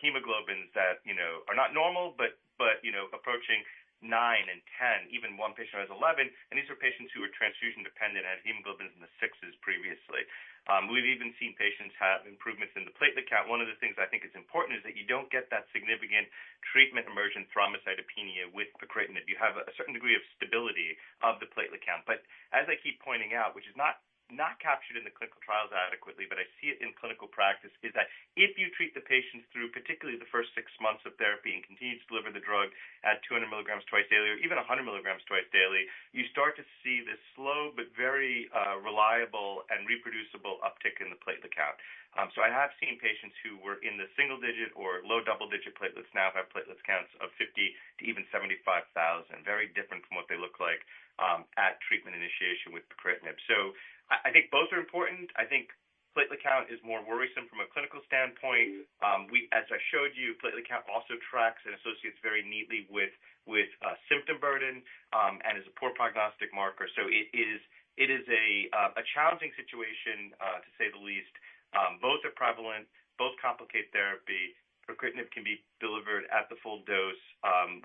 hemoglobins that, you know, are not normal, but, you know, approaching nine and 10. Even one patient has 11, and these are patients who were transfusion dependent and had hemoglobins in the sixes previously. We've even seen patients have improvements in the platelet count. One of the things I think is important is that you don't get that significant treatment emergent thrombocytopenia with pacritinib. You have a certain degree of stability of the platelet count. But as I keep pointing out, which is not captured in the clinical trials adequately, but I see it in clinical practice, is that if you treat the patients through particularly the first six months of therapy and continue to deliver the drug at 200 mg twice daily or even 100 mg twice daily, you start to see this slow but very reliable and reproducible uptick in the platelet count. So I have seen patients who were in the single-digit or low double-digit platelets now have platelet counts of 50,000 to even 75,000, very different from what they look like at treatment initiation with pacritinib. So I think both are important. I think platelet count is more worrisome from a clinical standpoint. As I showed you, platelet count also tracks and associates very neatly with symptom burden and is a poor prognostic marker. So it is a challenging situation, to say the least. Both are prevalent, both complicate therapy. Pacritinib can be delivered at the full dose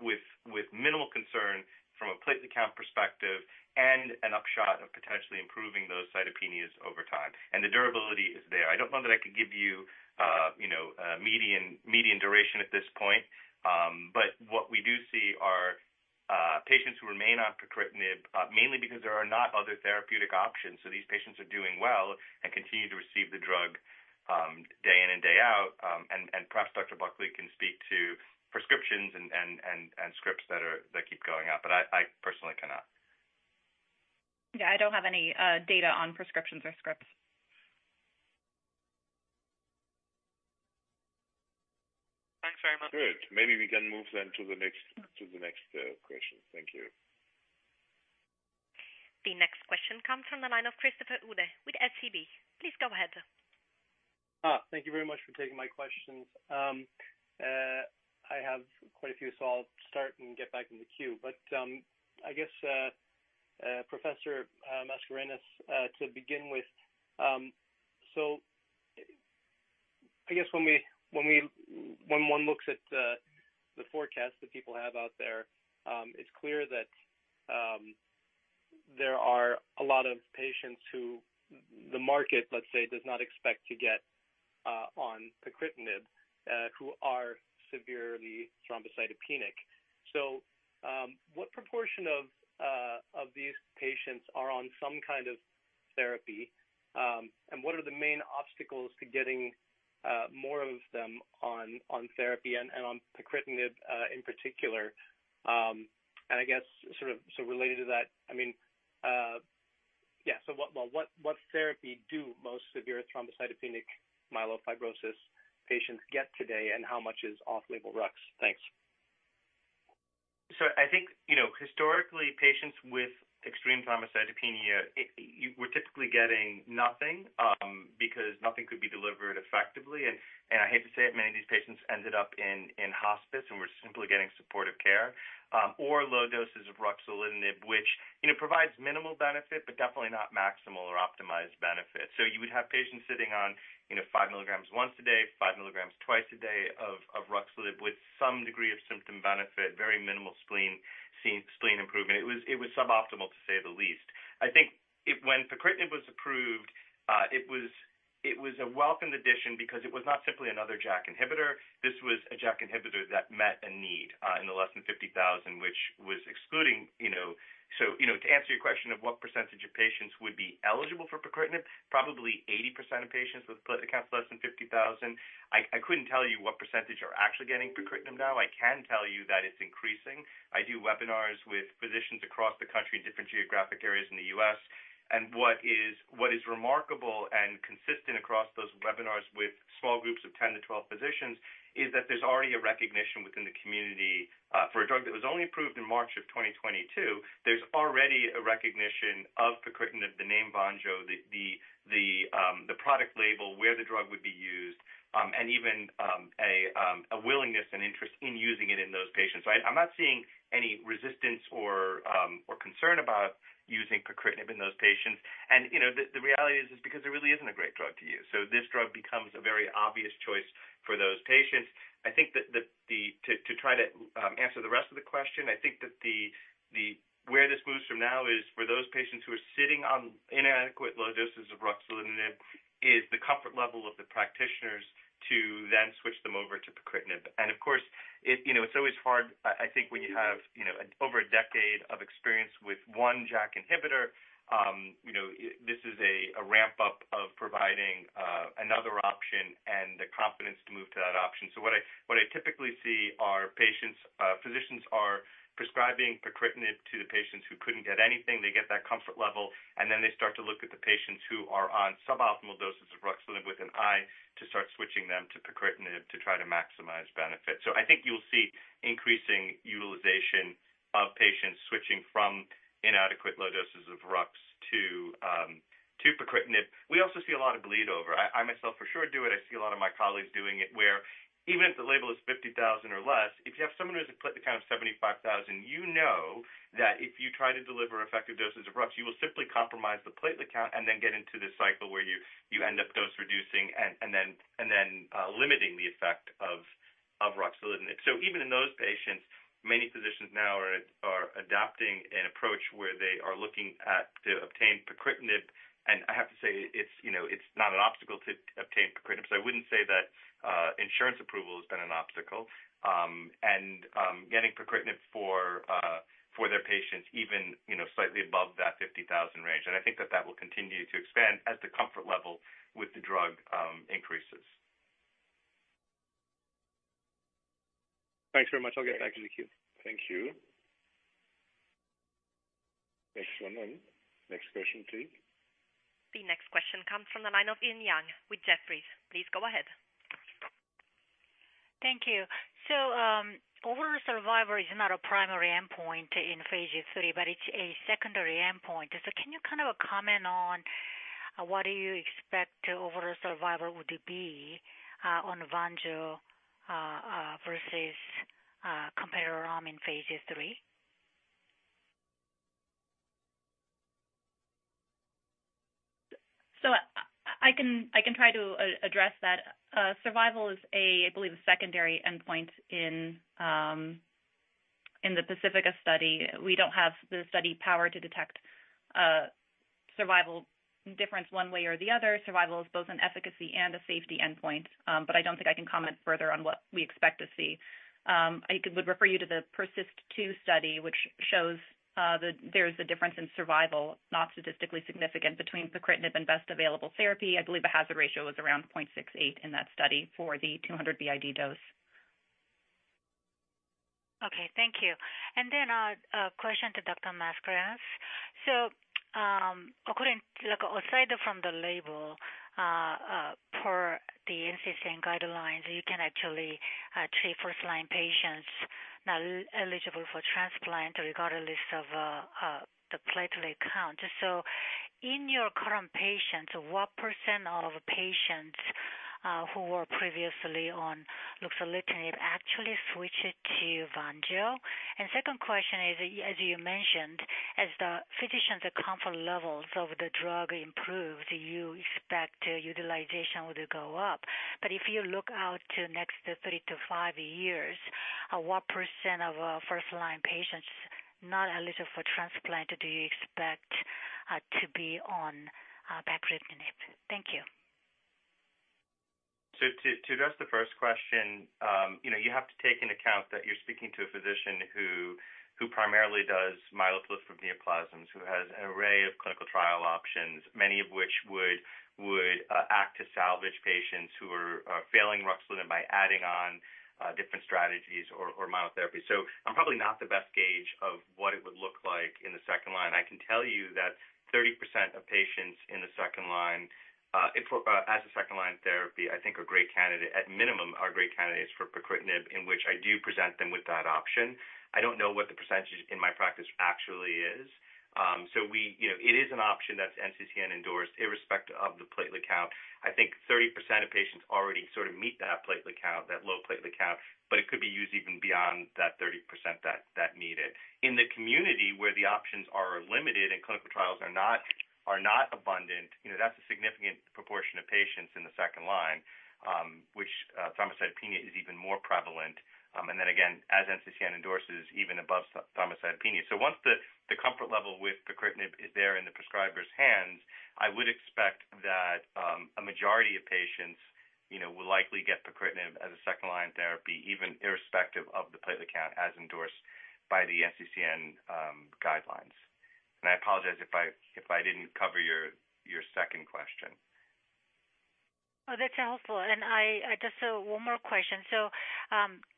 with minimal concern from a platelet count perspective and an upshot of potentially improving those cytopenias over time. And the durability is there. I don't know that I could give you, you know, median duration at this point, but what we do see are patients who remain on pacritinib mainly because there are not other therapeutic options. So these patients are doing well and continue to receive the drug day in and day out. And perhaps Dr. Buckley can speak to prescriptions and scripts that keep going up, but I personally cannot. Yeah, I don't have any data on prescriptions or scripts. Thanks very much. Good. Maybe we can move then to the next question. Thank you. The next question comes from the line of Christopher Uhl with SEB. Please go ahead. Thank you very much for taking my questions. I have quite a few, so I'll start and get back in the queue. But I guess, Professor Mascarenhas, to begin with, so I guess when one looks at the forecast that people have out there, it's clear that there are a lot of patients who the market, let's say, does not expect to get on pacritinib who are severely thrombocytopenic. So what proportion of these patients are on some kind of therapy, and what are the main obstacles to getting more of them on therapy and on pacritinib in particular? And I guess sort of so related to that, I mean, yeah, so what therapy do most severe thrombocytopenic myelofibrosis patients get today, and how much is off-label Rux? Thanks. So I think, you know, historically, patients with extreme thrombocytopenia, we're typically getting nothing because nothing could be delivered effectively. And I hate to say it, many of these patients ended up in hospice and were simply getting supportive care or low doses of ruxolitinib, which, you know, provides minimal benefit, but definitely not maximal or optimized benefit. So you would have patients sitting on, you know, five milligrams once a day, five milligrams twice a day of ruxolitinib with some degree of symptom benefit, very minimal spleen improvement. It was suboptimal, to say the least. I think when pacritinib was approved, it was a welcomed addition because it was not simply another JAK inhibitor. This was a JAK inhibitor that met a need in the less than 50,000, which was excluding, you know, so, you know, to answer your question of what percentage of patients would be eligible for pacritinib, probably 80% of patients with platelet counts less than 50,000. I couldn't tell you what percentage are actually getting pacritinib now. I can tell you that it's increasing. I do webinars with physicians across the country in different geographic areas in the U.S., and what is remarkable and consistent across those webinars with small groups of 10-12 physicians is that there's already a recognition within the community for a drug that was only approved in March of 2022. There's already a recognition of pacritinib, the name Vonjo, the product label, where the drug would be used, and even a willingness and interest in using it in those patients. I'm not seeing any resistance or concern about using pacritinib in those patients. And, you know, the reality is because it really isn't a great drug to use. So this drug becomes a very obvious choice for those patients. I think that to try to answer the rest of the question, I think that where this moves from now is for those patients who are sitting on inadequate low doses of ruxolitinib is the comfort level of the practitioners to then switch them over to pacritinib. And of course, you know, it's always hard, I think, when you have, you know, over a decade of experience with one JAK inhibitor, you know, this is a ramp-up of providing another option and the confidence to move to that option. So what I typically see are patients, physicians are prescribing pacritinib to the patients who couldn't get anything. They get that comfort level, and then they start to look at the patients who are on suboptimal doses of ruxolitinib with an eye to start switching them to pacritinib to try to maximize benefit. So I think you'll see increasing utilization of patients switching from inadequate low doses of Rux to pacritinib. We also see a lot of bleed over. I myself for sure do it. I see a lot of my colleagues doing it where even if the label is 50,000 or less, if you have someone who has a platelet count of 75,000, you know that if you try to deliver effective doses of Rux, you will simply compromise the platelet count and then get into this cycle where you end up dose-reducing and then limiting the effect of ruxolitinib. So even in those patients, many physicians now are adopting an approach where they are looking at to obtain pacritinib. And I have to say, it's, you know, it's not an obstacle to obtain pacritinib. So I wouldn't say that insurance approval has been an obstacle and getting pacritinib for their patients even, you know, slightly above that 50,000 range. And I think that that will continue to expand as the comfort level with the drug increases. Thanks very much. I'll get back in the queue. Thank you. Next one. Next question, please. The next question comes from the line of Eun Yang with Jefferies. Please go ahead. Thank you. So overall survival is not a primary endpoint in phase III, but it's a secondary endpoint. So can you kind of comment on what do you expect overall survival would be on Vonjo versus competitor arm in phase III? So I can try to address that. Survival is a, I believe, a secondary endpoint in the PACIFICA study. We don't have the study power to detect survival difference one way or the other. Survival is both an efficacy and a safety endpoint, but I don't think I can comment further on what we expect to see. I would refer you to the PERSIST-2 study, which shows there is a difference in survival, not statistically significant, between pacritinib and best available therapy. I believe the hazard ratio was around 0.68 in that study for the 200 BID dose. Okay, thank you. And then a question to Dr. Mascarenhas. So according to, like, outside from the label, per the NCCN guidelines, you can actually treat first-line patients not eligible for transplant regardless of the platelet count. So in your current patients, what percent of patients who were previously on ruxolitinib actually switched to Vonjo? And second question is, as you mentioned, as the physicians' comfort levels of the drug improve, do you expect utilization would go up? But if you look out to the next three to five years, what percent of first-line patients not eligible for transplant do you expect to be on pacritinib? Thank you. So to address the first question, you know, you have to take into account that you're speaking to a physician who primarily does myeloproliferative neoplasms, who has an array of clinical trial options, many of which would act to salvage patients who are failing ruxolitinib by adding on different strategies or monotherapy. So I'm probably not the best gauge of what it would look like in the second line. I can tell you that 30% of patients in the second line, as a second-line therapy, I think are great candidates, at minimum are great candidates for pacritinib, in which I do present them with that option. I don't know what the percentage in my practice actually is. So we, you know, it is an option that's NCCN endorsed irrespective of the platelet count. I think 30% of patients already sort of meet that platelet count, that low platelet count, but it could be used even beyond that 30% that need it. In the community where the options are limited and clinical trials are not abundant, you know, that's a significant proportion of patients in the second line, which thrombocytopenia is even more prevalent. And then again, as NCCN endorses, even above thrombocytopenia. So once the comfort level with pacritinib is there in the prescriber's hands, I would expect that a majority of patients, you know, will likely get pacritinib as a second-line therapy, even irrespective of the platelet count as endorsed by the NCCN guidelines. And I apologize if I didn't cover your second question. Oh, that's helpful. And I just have one more question. So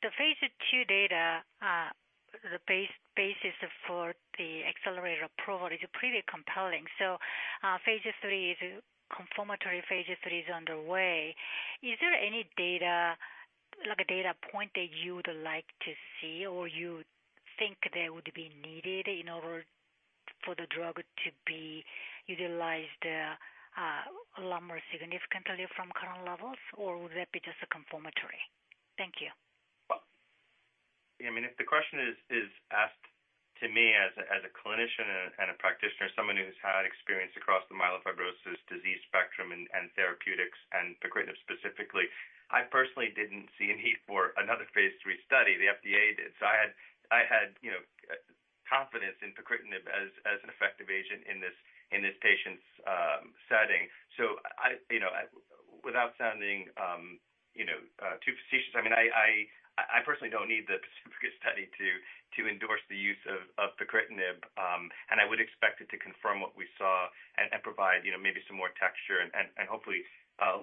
the phase II data, the basis for the accelerated approval, is pretty compelling. So phase III is a confirmatory phase III is underway. Is there any data, like a data point that you would like to see or you think that would be needed in order for the drug to be utilized a lot more significantly from current levels, or would that be just a confirmatory? Thank you. I mean, if the question is asked to me as a clinician and a practitioner, someone who's had experience across the myelofibrosis disease spectrum and therapeutics and pacritinib specifically, I personally didn't see a need for another phase III study. The FDA did. So I had, you know, confidence in pacritinib as an effective agent in this patient's setting. So I, you know, without sounding, you know, too facetious, I mean, I personally don't need the specific study to endorse the use of pacritinib, and I would expect it to confirm what we saw and provide, you know, maybe some more texture and hopefully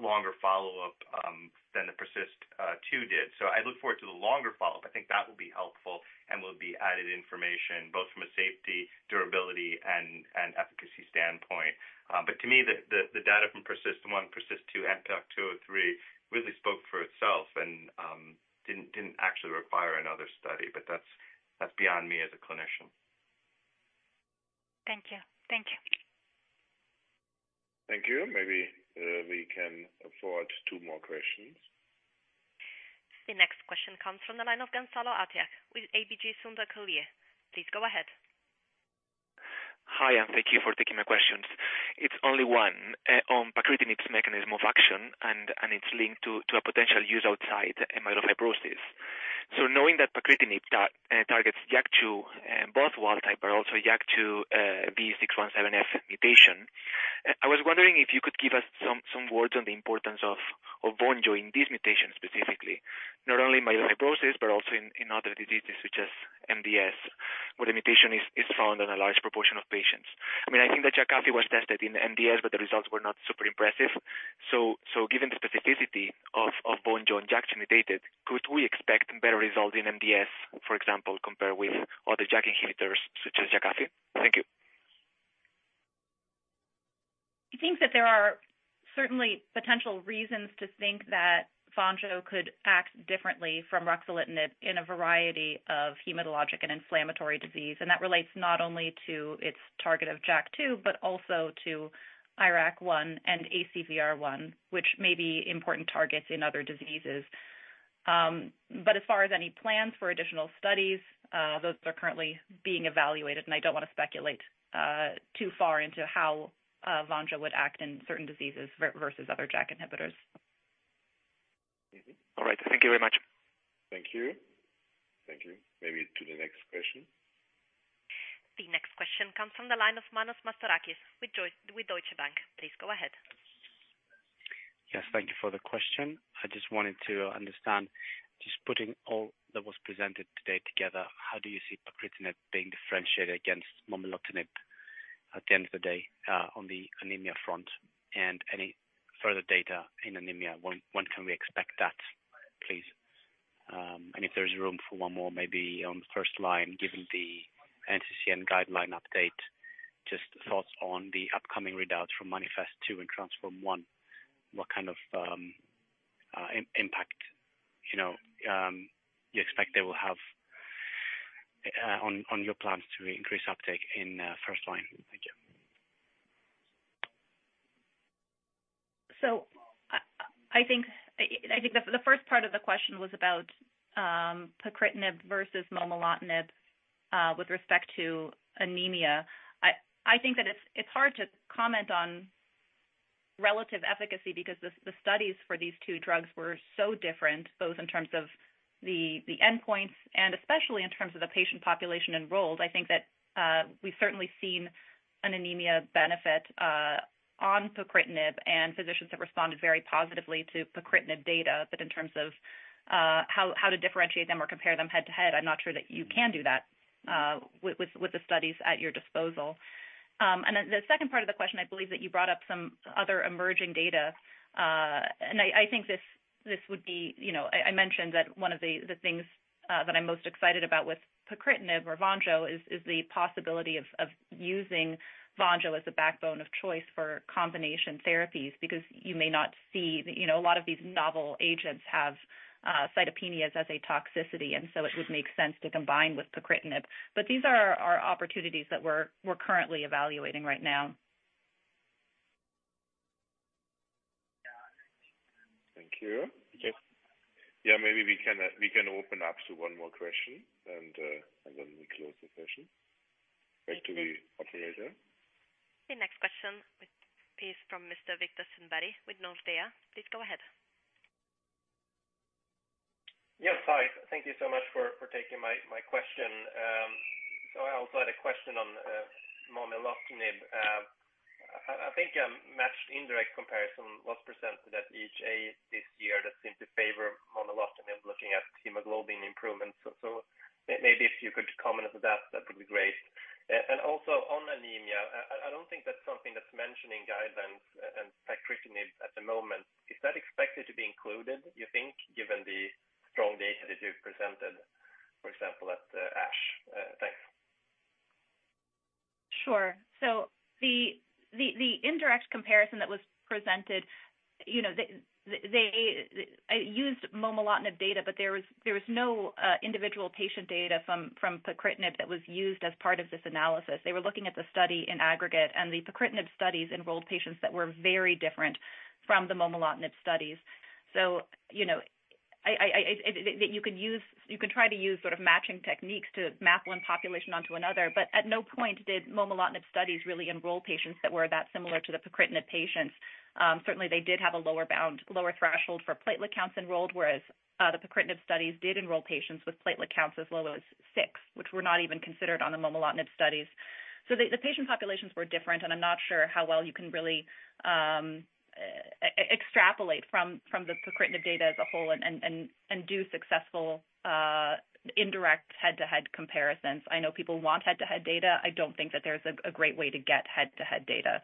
longer follow-up than the PERSIST-2 did. So I look forward to the longer follow-up. I think that will be helpful and will be added information both from a safety, durability, and efficacy standpoint. But to me, the data from PERSIST-1, PERSIST-2, PAC203 really spoke for itself and didn't actually require another study, but that's beyond me as a clinician. Thank you. Thank you. Thank you. Maybe we can afford two more questions. The next question comes from the line of Gonzalo Artiach with ABG Sundal Collier. Please go ahead. Hi, and thank you for taking my questions. It's only one on pacritinib's mechanism of action, and it's linked to a potential use outside myelofibrosis. So knowing that pacritinib targets JAK2 both wild-type, but also JAK2 V617F mutation, I was wondering if you could give us some words on the importance of Vonjo in this mutation specifically, not only in myelofibrosis, but also in other diseases such as MDS, where the mutation is found on a large proportion of patients. I mean, I think that Jakafi was tested in MDS, but the results were not super impressive. So given the specificity of Vonjo and JAK mutated, could we expect better results in MDS, for example, compared with other JAK inhibitors such as Jakafi? Thank you. I think that there are certainly potential reasons to think that Vonjo could act differently from ruxolitinib in a variety of hematologic and inflammatory disease. And that relates not only to its target of JAK2, but also to IRAK1 and ACVR1, which may be important targets in other diseases. But as far as any plans for additional studies, those are currently being evaluated, and I don't want to speculate too far into how Vonjo would act in certain diseases versus other JAK inhibitors. All right. Thank you very much. Thank you. Thank you. Maybe to the next question. The next question comes from the line of Emmanuel Papadakis with Deutsche Bank. Please go ahead. Yes, thank you for the question. I just wanted to understand, just putting all that was presented today together, how do you see pacritinib being differentiated against momelotinib at the end of the day on the anemia front? And any further data in anemia? When can we expect that, please? And if there's room for one more, maybe on the first line, given the NCCN guideline update, just thoughts on the upcoming readouts from MANIFEST-2 and TRANSFORM-1, what kind of impact, you know, you expect they will have on your plans to increase uptake in first line? Thank you. So I think the first part of the question was about pacritinib versus momelotinib with respect to anemia. I think that it's hard to comment on relative efficacy because the studies for these two drugs were so different, both in terms of the endpoints and especially in terms of the patient population enrolled. I think that we've certainly seen an anemia benefit on pacritinib, and physicians have responded very positively to pacritinib data, but in terms of how to differentiate them or compare them head-to-head, I'm not sure that you can do that with the studies at your disposal. And then the second part of the question, I believe that you brought up some other emerging data. And I think this would be, you know, I mentioned that one of the things that I'm most excited about with pacritinib or Vonjo is the possibility of using Vonjo as a backbone of choice for combination therapies because you may not see, you know, a lot of these novel agents have cytopenias as a toxicity, and so it would make sense to combine with pacritinib. But these are opportunities that we're currently evaluating right now. Yeah. Thank you. Yeah, maybe we can open up to one more question and then we close the session. Back to the operator. The next question is from Mr. Viktor Sundberg with Nordea. Please go ahead. Yes, hi. Thank you so much for taking my question. So I also had a question on momelotinib. I think a matched indirect comparison was presented at EHA this year that seemed to favor momelotinib, looking at hemoglobin improvement. So maybe if you could comment on that, that would be great. And also on anemia, I don't think that's something that's mentioned in guidelines and pacritinib at the moment. Is that expected to be included, you think, given the strong data that you presented, for example, at ASH? Thanks. Sure. So the indirect comparison that was presented, you know, they used momelotinib data, but there was no individual patient data from pacritinib that was used as part of this analysis. They were looking at the study in aggregate, and the pacritinib studies enrolled patients that were very different from the momelotinib studies. You know, you can try to use sort of matching techniques to map one population onto another, but at no point did momelotinib studies really enroll patients that were that similar to the pacritinib patients. Certainly, they did have a lower threshold for platelet counts enrolled, whereas the pacritinib studies did enroll patients with platelet counts as low as six, which were not even considered on the momelotinib studies. The patient populations were different, and I'm not sure how well you can really extrapolate from the pacritinib data as a whole and do successful indirect head-to-head comparisons. I know people want head-to-head data. I don't think that there's a great way to get head-to-head data.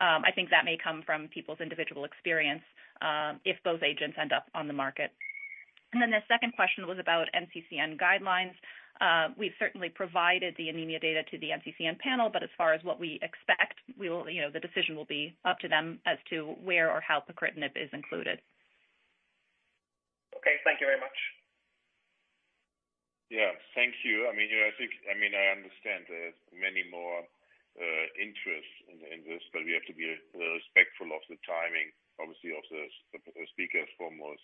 I think that may come from people's individual experience if both agents end up on the market. The second question was about NCCN guidelines. We've certainly provided the anemia data to the NCCN panel, but as far as what we expect, you know, the decision will be up to them as to where or how pacritinib is included. Okay, thank you very much. Yeah, thank you. I mean, you know, I think, I mean, I understand there's many more interests in this, but we have to be respectful of the timing, obviously, of the speakers' schedules,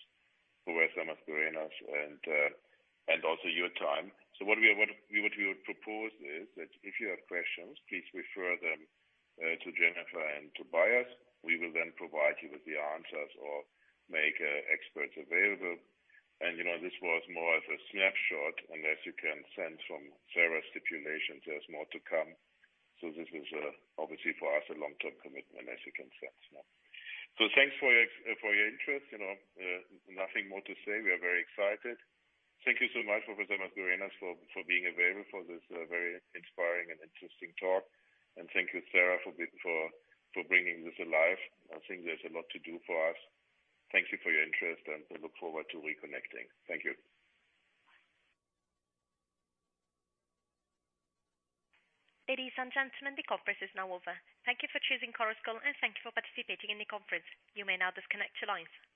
Professor Mascarenhas, and also your time. So what we would propose is that if you have questions, please refer them to Jennifer and to Tobias. We will then provide you with the answers or make experts available. And, you know, this was more of a snapshot, and as you can sense from Sarah's stipulations, there's more to come. So this is obviously for us a long-term commitment, as you can sense. So thanks for your interest. You know, nothing more to say. We are very excited. Thank you so much, Professor Mascarenhas, for being available for this very inspiring and interesting talk. And thank you, Sarah, for bringing this alive. I think there's a lot to do for us. Thank you for your interest, and we look forward to reconnecting. Thank you. Ladies and gentlemen, the conference is now over. Thank you for choosing Chorus Call, and thank you for participating in the conference. You may now disconnect your lines.